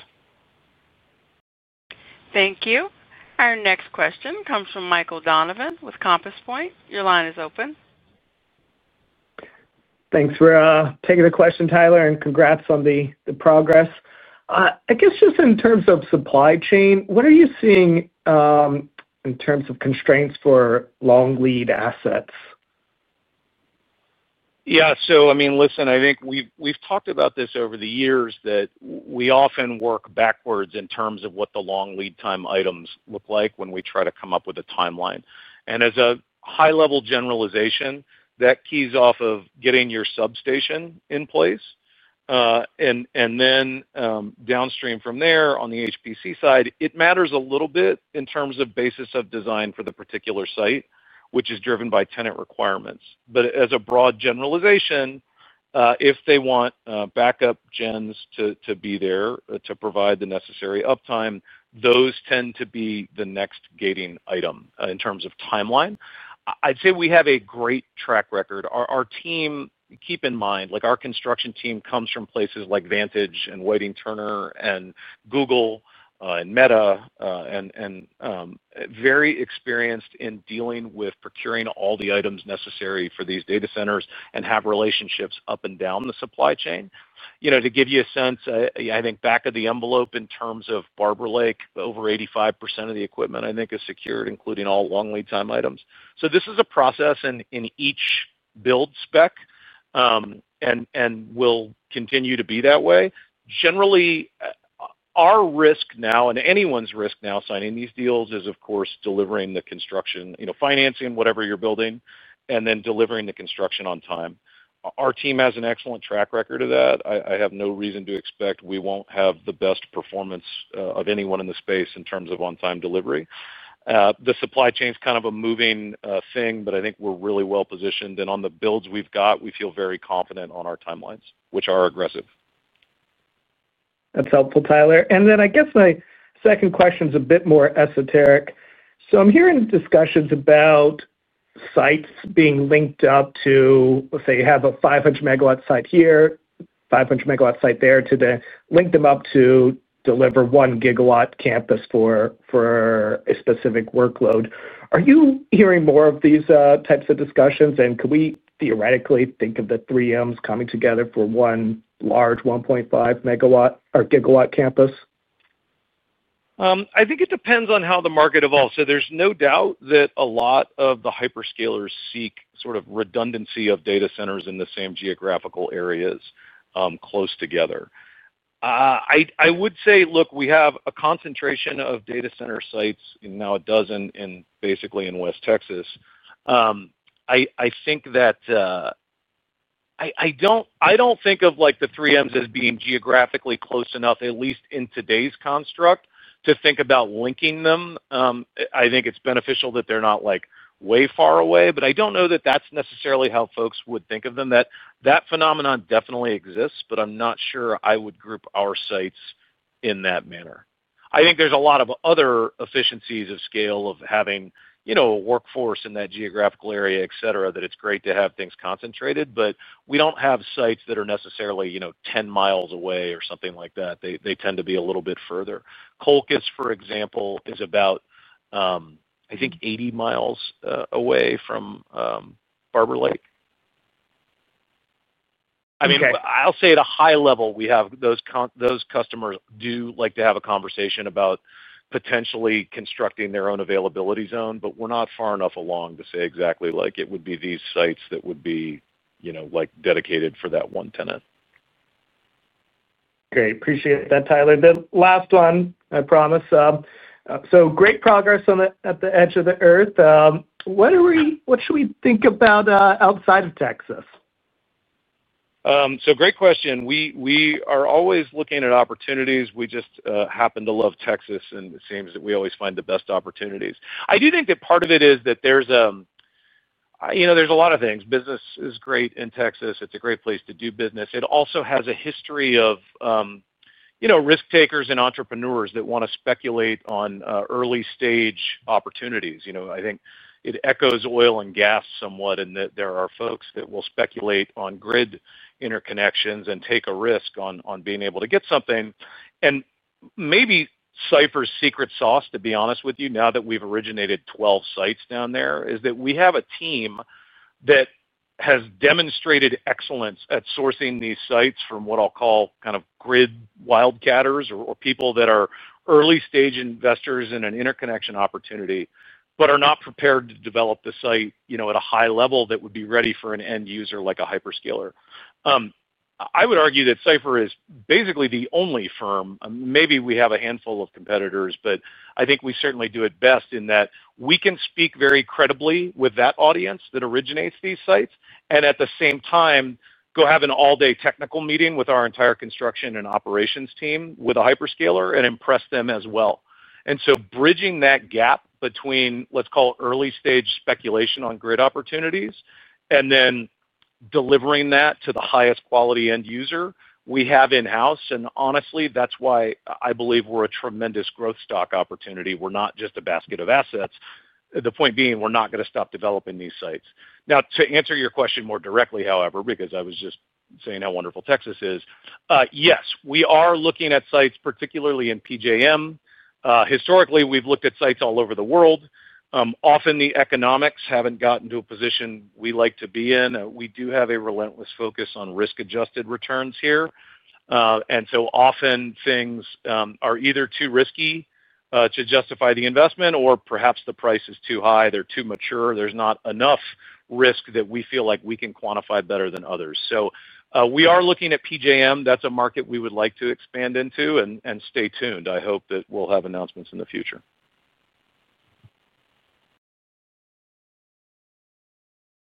Thank you. Our next question comes from Michael Donovan with Compass Point. Your line is open. Thanks for taking the question, Tyler, and congrats on the progress. I guess just in terms of supply chain, what are you seeing in terms of constraints for long lead assets? Yeah. I mean, listen, I think we've talked about this over the years that we often work backwards in terms of what the long lead time items look like when we try to come up with a timeline. As a high-level generalization, that keys off of getting your substation in place. Downstream from there on the HPC side, it matters a little bit in terms of basis of design for the particular site, which is driven by tenant requirements. As a broad generalization, if they want backup gens to be there to provide the necessary uptime, those tend to be the next gating item in terms of timeline. I'd say we have a great track record. Our team, keep in mind, our construction team comes from places like Vantage and Whiting Turner and Google and Meta. Very experienced in dealing with procuring all the items necessary for these data centers and have relationships up and down the supply chain. To give you a sense, I think back of the envelope in terms of Barber Lake, over 85% of the equipment, I think, is secured, including all long lead time items. This is a process in each build spec and will continue to be that way. Generally, our risk now and anyone's risk now signing these deals is, of course, delivering the construction, financing whatever you're building, and then delivering the construction on time. Our team has an excellent track record of that. I have no reason to expect we won't have the best performance of anyone in the space in terms of on-time delivery. The supply chain is kind of a moving thing, but I think we're really well positioned. On the builds we've got, we feel very confident on our timelines, which are aggressive. That's helpful, Tyler. I guess my second question is a bit more esoteric. I'm hearing discussions about sites being linked up to, say, have a 500 MW site here, 500 MW site there to link them up to deliver 1 GW campus for a specific workload. Are you hearing more of these types of discussions? Could we theoretically think of the three Ms coming together for one large 1.5 GW campus? I think it depends on how the market evolves. There is no doubt that a lot of the hyperscalers seek sort of redundancy of data centers in the same geographical areas close together. I would say, look, we have a concentration of data center sites now, a dozen basically in West Texas. I think that. I do not think of the three Ms as being geographically close enough, at least in today's construct, to think about linking them. I think it is beneficial that they are not way far away. I do not know that that is necessarily how folks would think of them. That phenomenon definitely exists, but I am not sure I would group our sites in that manner. I think there are a lot of other efficiencies of scale of having a workforce in that geographical area, etc., that it is great to have things concentrated. We do not have sites that are necessarily 10 mi away or something like that. They tend to be a little bit further. Colchis, for example, is about, I think, 80 mi away from Barber Lake. I mean, I will say at a high level, those customers do like to have a conversation about potentially constructing their own availability zone. We are not far enough along to say exactly it would be these sites that would be dedicated for that one tenant. Great. Appreciate that, Tyler. The last one, I promise. Great progress at the edge of the earth. What should we think about outside of Texas? Great question. We are always looking at opportunities. We just happen to love Texas, and it seems that we always find the best opportunities. I do think that part of it is that there is a lot of things. Business is great in Texas. It is a great place to do business. It also has a history of risk takers and entrepreneurs that want to speculate on early-stage opportunities. I think it echoes oil and gas somewhat in that there are folks that will speculate on grid interconnections and take a risk on being able to get something. Maybe Cipher's secret sauce, to be honest with you, now that we have originated 12 sites down there, is that we have a team that has demonstrated excellence at sourcing these sites from what I will call kind of grid wildcatters or people that are early-stage investors in an interconnection opportunity but are not prepared to develop the site at a high level that would be ready for an end user like a hyperscaler. I would argue that Cipher is basically the only firm. Maybe we have a handful of competitors, but I think we certainly do it best in that we can speak very credibly with that audience that originates these sites and at the same time go have an all-day technical meeting with our entire construction and operations team with a hyperscaler and impress them as well. Bridging that gap between, let us call it, early-stage speculation on grid opportunities and then delivering that to the highest quality end user, we have in-house. Honestly, that is why I believe we are a tremendous growth stock opportunity. We are not just a basket of assets. The point being, we are not going to stop developing these sites. To answer your question more directly, however, because I was just saying how wonderful Texas is, yes, we are looking at sites, particularly in PJM. Historically, we have looked at sites all over the world. Often the economics have not gotten to a position we like to be in. We do have a relentless focus on risk-adjusted returns here. Often things are either too risky to justify the investment or perhaps the price is too high. They are too mature. There is not enough risk that we feel like we can quantify better than others. We are looking at PJM. That is a market we would like to expand into. Stay tuned. I hope that we will have announcements in the future.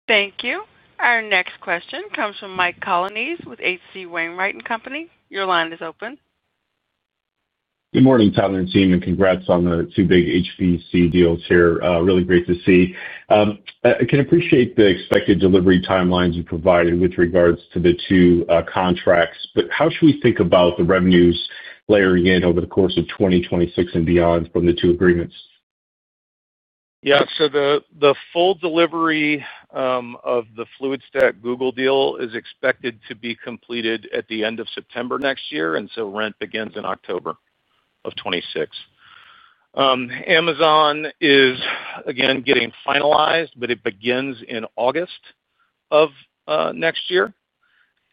Thank you. Our next question comes from Mike Colonnese with H.C. Wainwright & Company. Your line is open. Good morning, Tyler and team, and congrats on the two big HPC deals here. Really great to see. I can appreciate the expected delivery timelines you provided with regards to the two contracts. How should we think about the revenues layering in over the course of 2026 and beyond from the two agreements? Yeah. So the full delivery of the Fluidstack Google deal is expected to be completed at the end of September next year. Rent begins in October of 2026. Amazon is, again, getting finalized, but it begins in August of next year.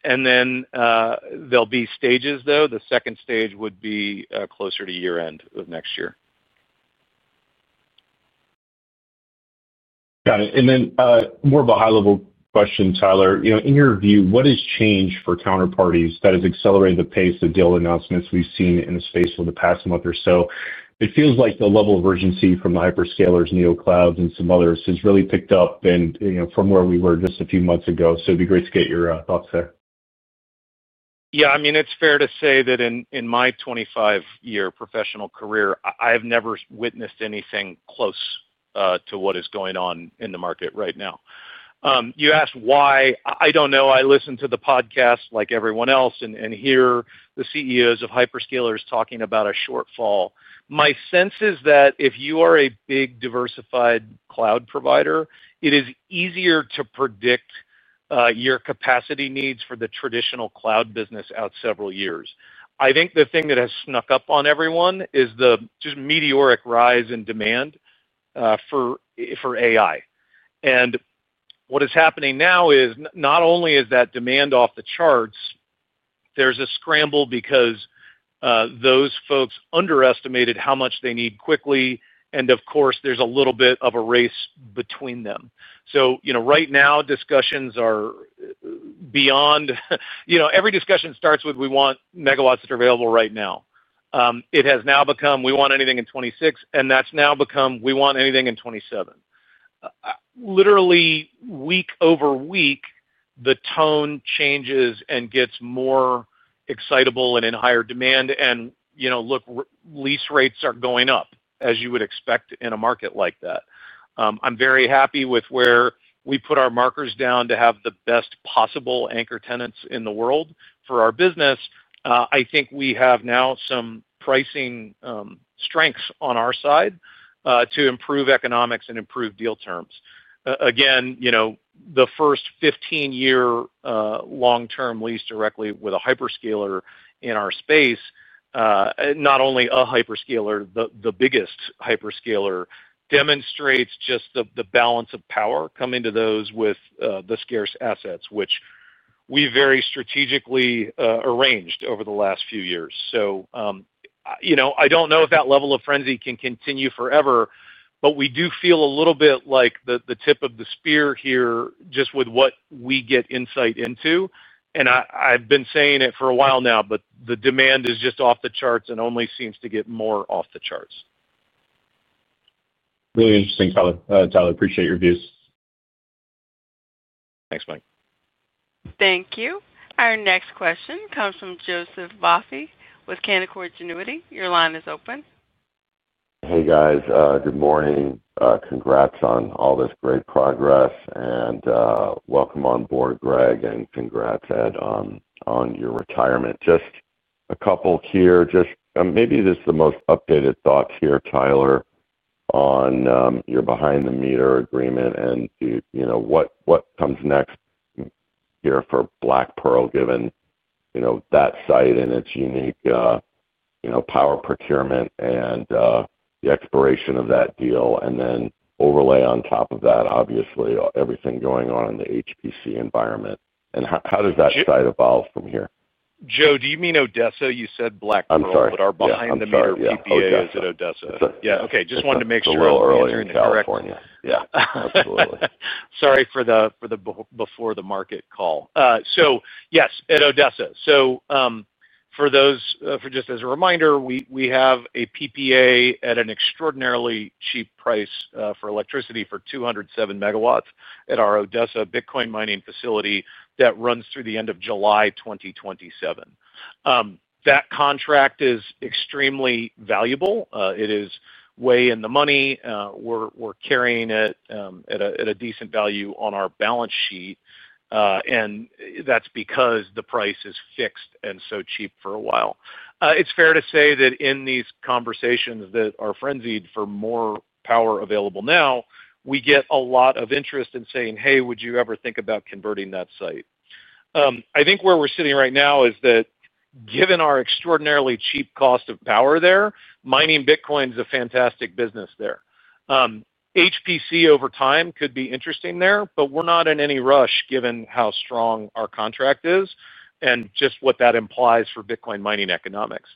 There'll be stages, though. The second stage would be closer to year-end of next year. Got it. More of a high-level question, Tyler. In your view, what has changed for counterparties that has accelerated the pace of deal announcements we have seen in the space over the past month or so? It feels like the level of urgency from the hyperscalers, NeoCloud, and some others has really picked up from where we were just a few months ago. It would be great to get your thoughts there. Yeah. I mean, it's fair to say that in my 25-year professional career, I have never witnessed anything close to what is going on in the market right now. You asked why. I don't know. I listen to the podcast like everyone else and hear the CEOs of hyperscalers talking about a shortfall. My sense is that if you are a big diversified cloud provider, it is easier to predict your capacity needs for the traditional cloud business out several years. I think the thing that has snuck up on everyone is the just meteoric rise in demand for AI. And what is happening now is not only is that demand off the charts, there's a scramble because those folks underestimated how much they need quickly. Of course, there's a little bit of a race between them. Right now, discussions are beyond. Every discussion starts with, "We want megawatts that are available right now." It has now become, "We want anything in 2026." And that's now become, "We want anything in 2027." Literally, week over week, the tone changes and gets more excitable and in higher demand. Look, lease rates are going up, as you would expect in a market like that. I'm very happy with where we put our markers down to have the best possible anchor tenants in the world for our business. I think we have now some pricing strengths on our side to improve economics and improve deal terms. Again, the first 15-year long-term lease directly with a hyperscaler in our space, not only a hyperscaler, the biggest hyperscaler, demonstrates just the balance of power coming to those with the scarce assets, which we very strategically arranged over the last few years. I don't know if that level of frenzy can continue forever, but we do feel a little bit like the tip of the spear here just with what we get insight into. I've been saying it for a while now, but the demand is just off the charts and only seems to get more off the charts. Really interesting, Tyler. Tyler, appreciate your views. Thanks, Mike. Thank you. Our next question comes from Joseph Vafi with Canaccord Genuity. Your line is open. Hey, guys. Good morning. Congrats on all this great progress. Welcome on board, Greg, and congrats, Ed, on your retirement. Just a couple here. Maybe this is the most updated thoughts here, Tyler, on your behind-the-meter agreement and what comes next here for Black Pearl, given that site and its unique power procurement and the expiration of that deal, and then overlay on top of that, obviously, everything going on in the HPC environment. How does that site evolve from here? Joe, do you mean Odessa? You said Black Pearl. I'm sorry. Are behind-the-meter PPAs at Odessa. That's right. Yeah. Okay. Just wanted to make sure I was hearing that correctly. A little earlier in California. Yeah. Absolutely. Sorry for the before-the-market call. Yes, at Odessa. For those, just as a reminder, we have a PPA at an extraordinarily cheap price for electricity for 207 MW at our Odessa Bitcoin mining facility that runs through the end of July 2027. That contract is extremely valuable. It is way in the money. We're carrying it at a decent value on our balance sheet. That's because the price is fixed and so cheap for a while. It's fair to say that in these conversations that are frenzied for more power available now, we get a lot of interest in saying, "Hey, would you ever think about converting that site?" I think where we're sitting right now is that, given our extraordinarily cheap cost of power there, mining Bitcoin is a fantastic business there. HPC over time could be interesting there, but we're not in any rush given how strong our contract is and just what that implies for Bitcoin mining economics.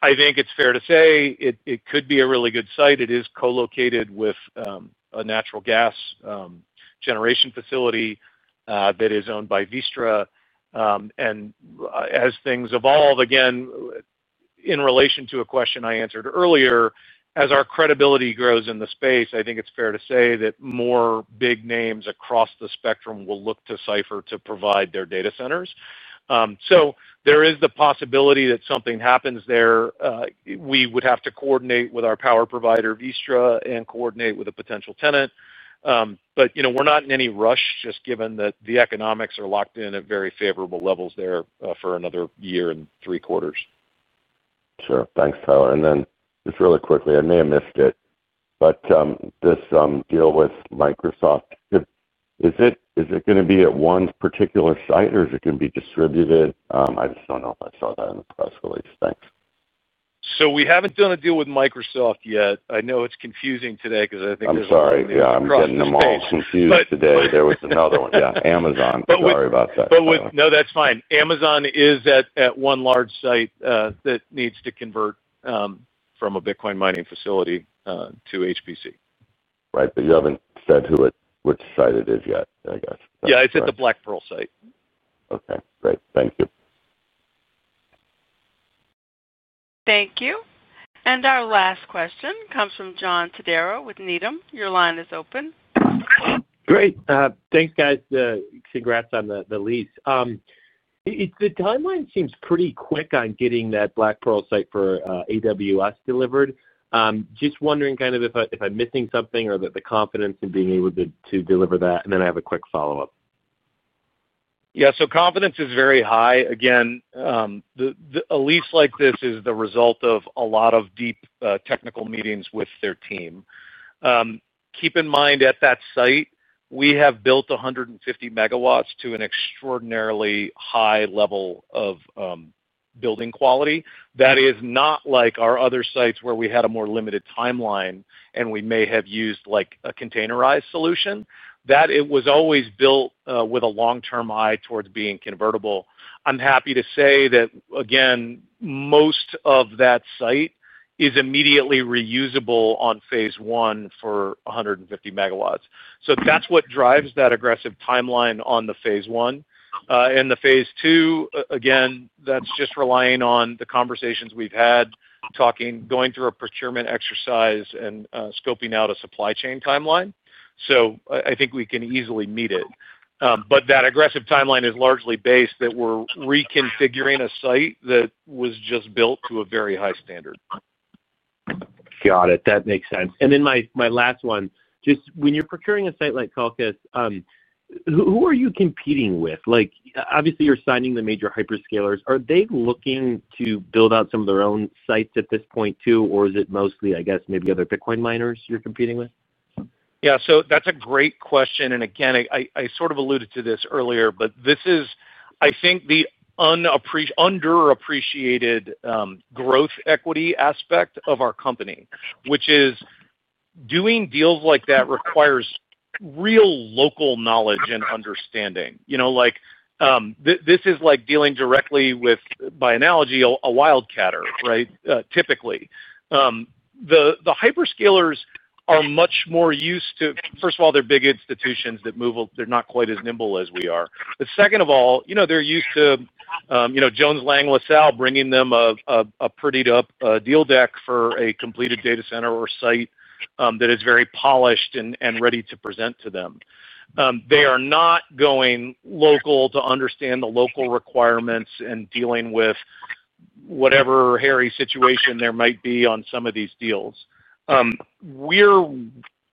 I think it's fair to say it could be a really good site. It is co-located with a natural gas generation facility that is owned by Vistra. As things evolve, again, in relation to a question I answered earlier, as our credibility grows in the space, I think it's fair to say that more big names across the spectrum will look to Cipher to provide their data centers. There is the possibility that something happens there. We would have to coordinate with our power provider, Vistra, and coordinate with a potential tenant. We're not in any rush, just given that the economics are locked in at very favorable levels there for another year and three quarters. Sure. Thanks, Tyler. And then just really quickly, I may have missed it, but this deal with Microsoft, is it going to be at one particular site, or is it going to be distributed? I just do not know if I saw that in the press release. Thanks. We haven't done a deal with Microsoft yet. I know it's confusing today because I think there's a few. I'm sorry. Yeah. I'm getting them all confused today. There was another one. Yeah. Amazon. Sorry about that. No, that's fine. Amazon is at one large site that needs to convert from a Bitcoin mining facility to HPC. Right. But you haven't said which site it is yet, I guess. Yeah. It's at the Black Pearl site. Okay. Great. Thank you. Thank you. Our last question comes from John Todaro with Needham. Your line is open. Great. Thanks, guys. Congrats on the lease. The timeline seems pretty quick on getting that Black Pearl site for AWS delivered. Just wondering kind of if I'm missing something or the confidence in being able to deliver that. I have a quick follow-up. Yeah. So confidence is very high. Again, a lease like this is the result of a lot of deep technical meetings with their team. Keep in mind, at that site, we have built 150 MW to an extraordinarily high level of building quality. That is not like our other sites where we had a more limited timeline and we may have used a containerized solution. That it was always built with a long-term eye towards being convertible. I'm happy to say that, again, most of that site is immediately reusable on phase one for 150 MW. That's what drives that aggressive timeline on the phase I. The phase two, again, that's just relying on the conversations we've had, going through a procurement exercise and scoping out a supply chain timeline. I think we can easily meet it. That aggressive timeline is largely based that we're reconfiguring a site that was just built to a very high standard. Got it. That makes sense. My last one, just when you're procuring a site like Colchis, who are you competing with? Obviously, you're signing the major hyperscalers. Are they looking to build out some of their own sites at this point too, or is it mostly, I guess, maybe other Bitcoin miners you're competing with? Yeah. That's a great question. Again, I sort of alluded to this earlier, but this is, I think, the underappreciated growth equity aspect of our company, which is doing deals like that requires real local knowledge and understanding. This is like dealing directly with, by analogy, a wildcatter, right, typically. The hyperscalers are much more used to, first of all, they're big institutions that move; they're not quite as nimble as we are. Second of all, they're used to Jones Lang LaSalle bringing them a prettied-up deal deck for a completed data center or site that is very polished and ready to present to them. They are not going local to understand the local requirements and dealing with whatever hairy situation there might be on some of these deals. We're,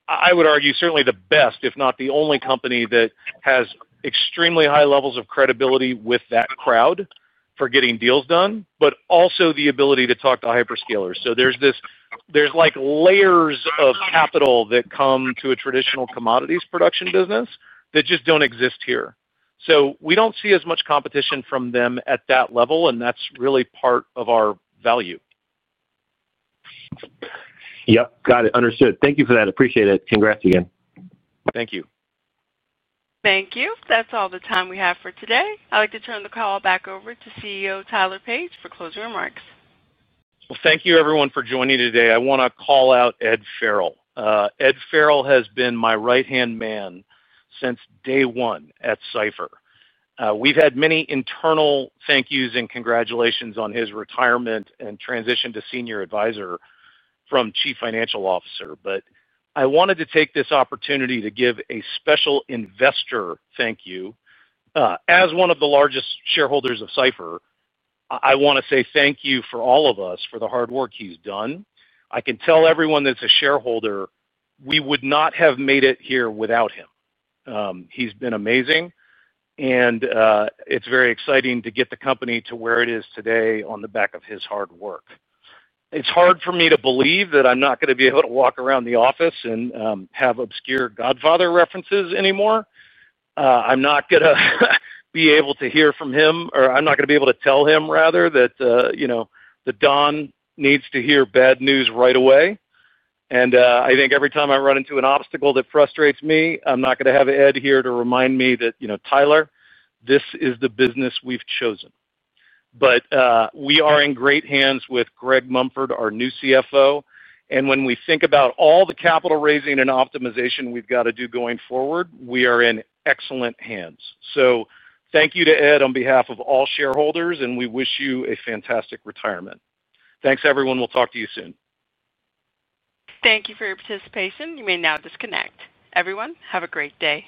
I would argue, certainly the best, if not the only company that has extremely high levels of credibility with that crowd for getting deals done, but also the ability to talk to hyperscalers. There's layers of capital that come to a traditional commodities production business that just don't exist here. We don't see as much competition from them at that level, and that's really part of our value. Yep. Got it. Understood. Thank you for that. Appreciate it. Congrats again. Thank you. Thank you. That's all the time we have for today. I'd like to turn the call back over to CEO Tyler Page for closing remarks. Thank you, everyone, for joining today. I want to call out Ed Farrell. Ed Farrell has been my right-hand man since day one at Cipher. We have had many internal thank-yous and congratulations on his retirement and transition to Senior Advisor from Chief Financial Officer. I wanted to take this opportunity to give a special investor thank-you. As one of the largest shareholders of Cipher, I want to say thank you for all of us for the hard work he has done. I can tell everyone that is a shareholder, we would not have made it here without him. He has been amazing, and it is very exciting to get the company to where it is today on the back of his hard work. It is hard for me to believe that I am not going to be able to walk around the office and have obscure Godfather references anymore. I am not going to be able to hear from him, or I am not going to be able to tell him, rather, that the Don needs to hear bad news right away. I think every time I run into an obstacle that frustrates me, I am not going to have Ed here to remind me that, "Tyler, this is the business we have chosen." We are in great hands with Greg Mumford, our new CFO. When we think about all the capital raising and optimization we have got to do going forward, we are in excellent hands. Thank you to Ed on behalf of all shareholders, and we wish you a fantastic retirement. Thanks, everyone. We will talk to you soon. Thank you for your participation. You may now disconnect. Everyone, have a great day.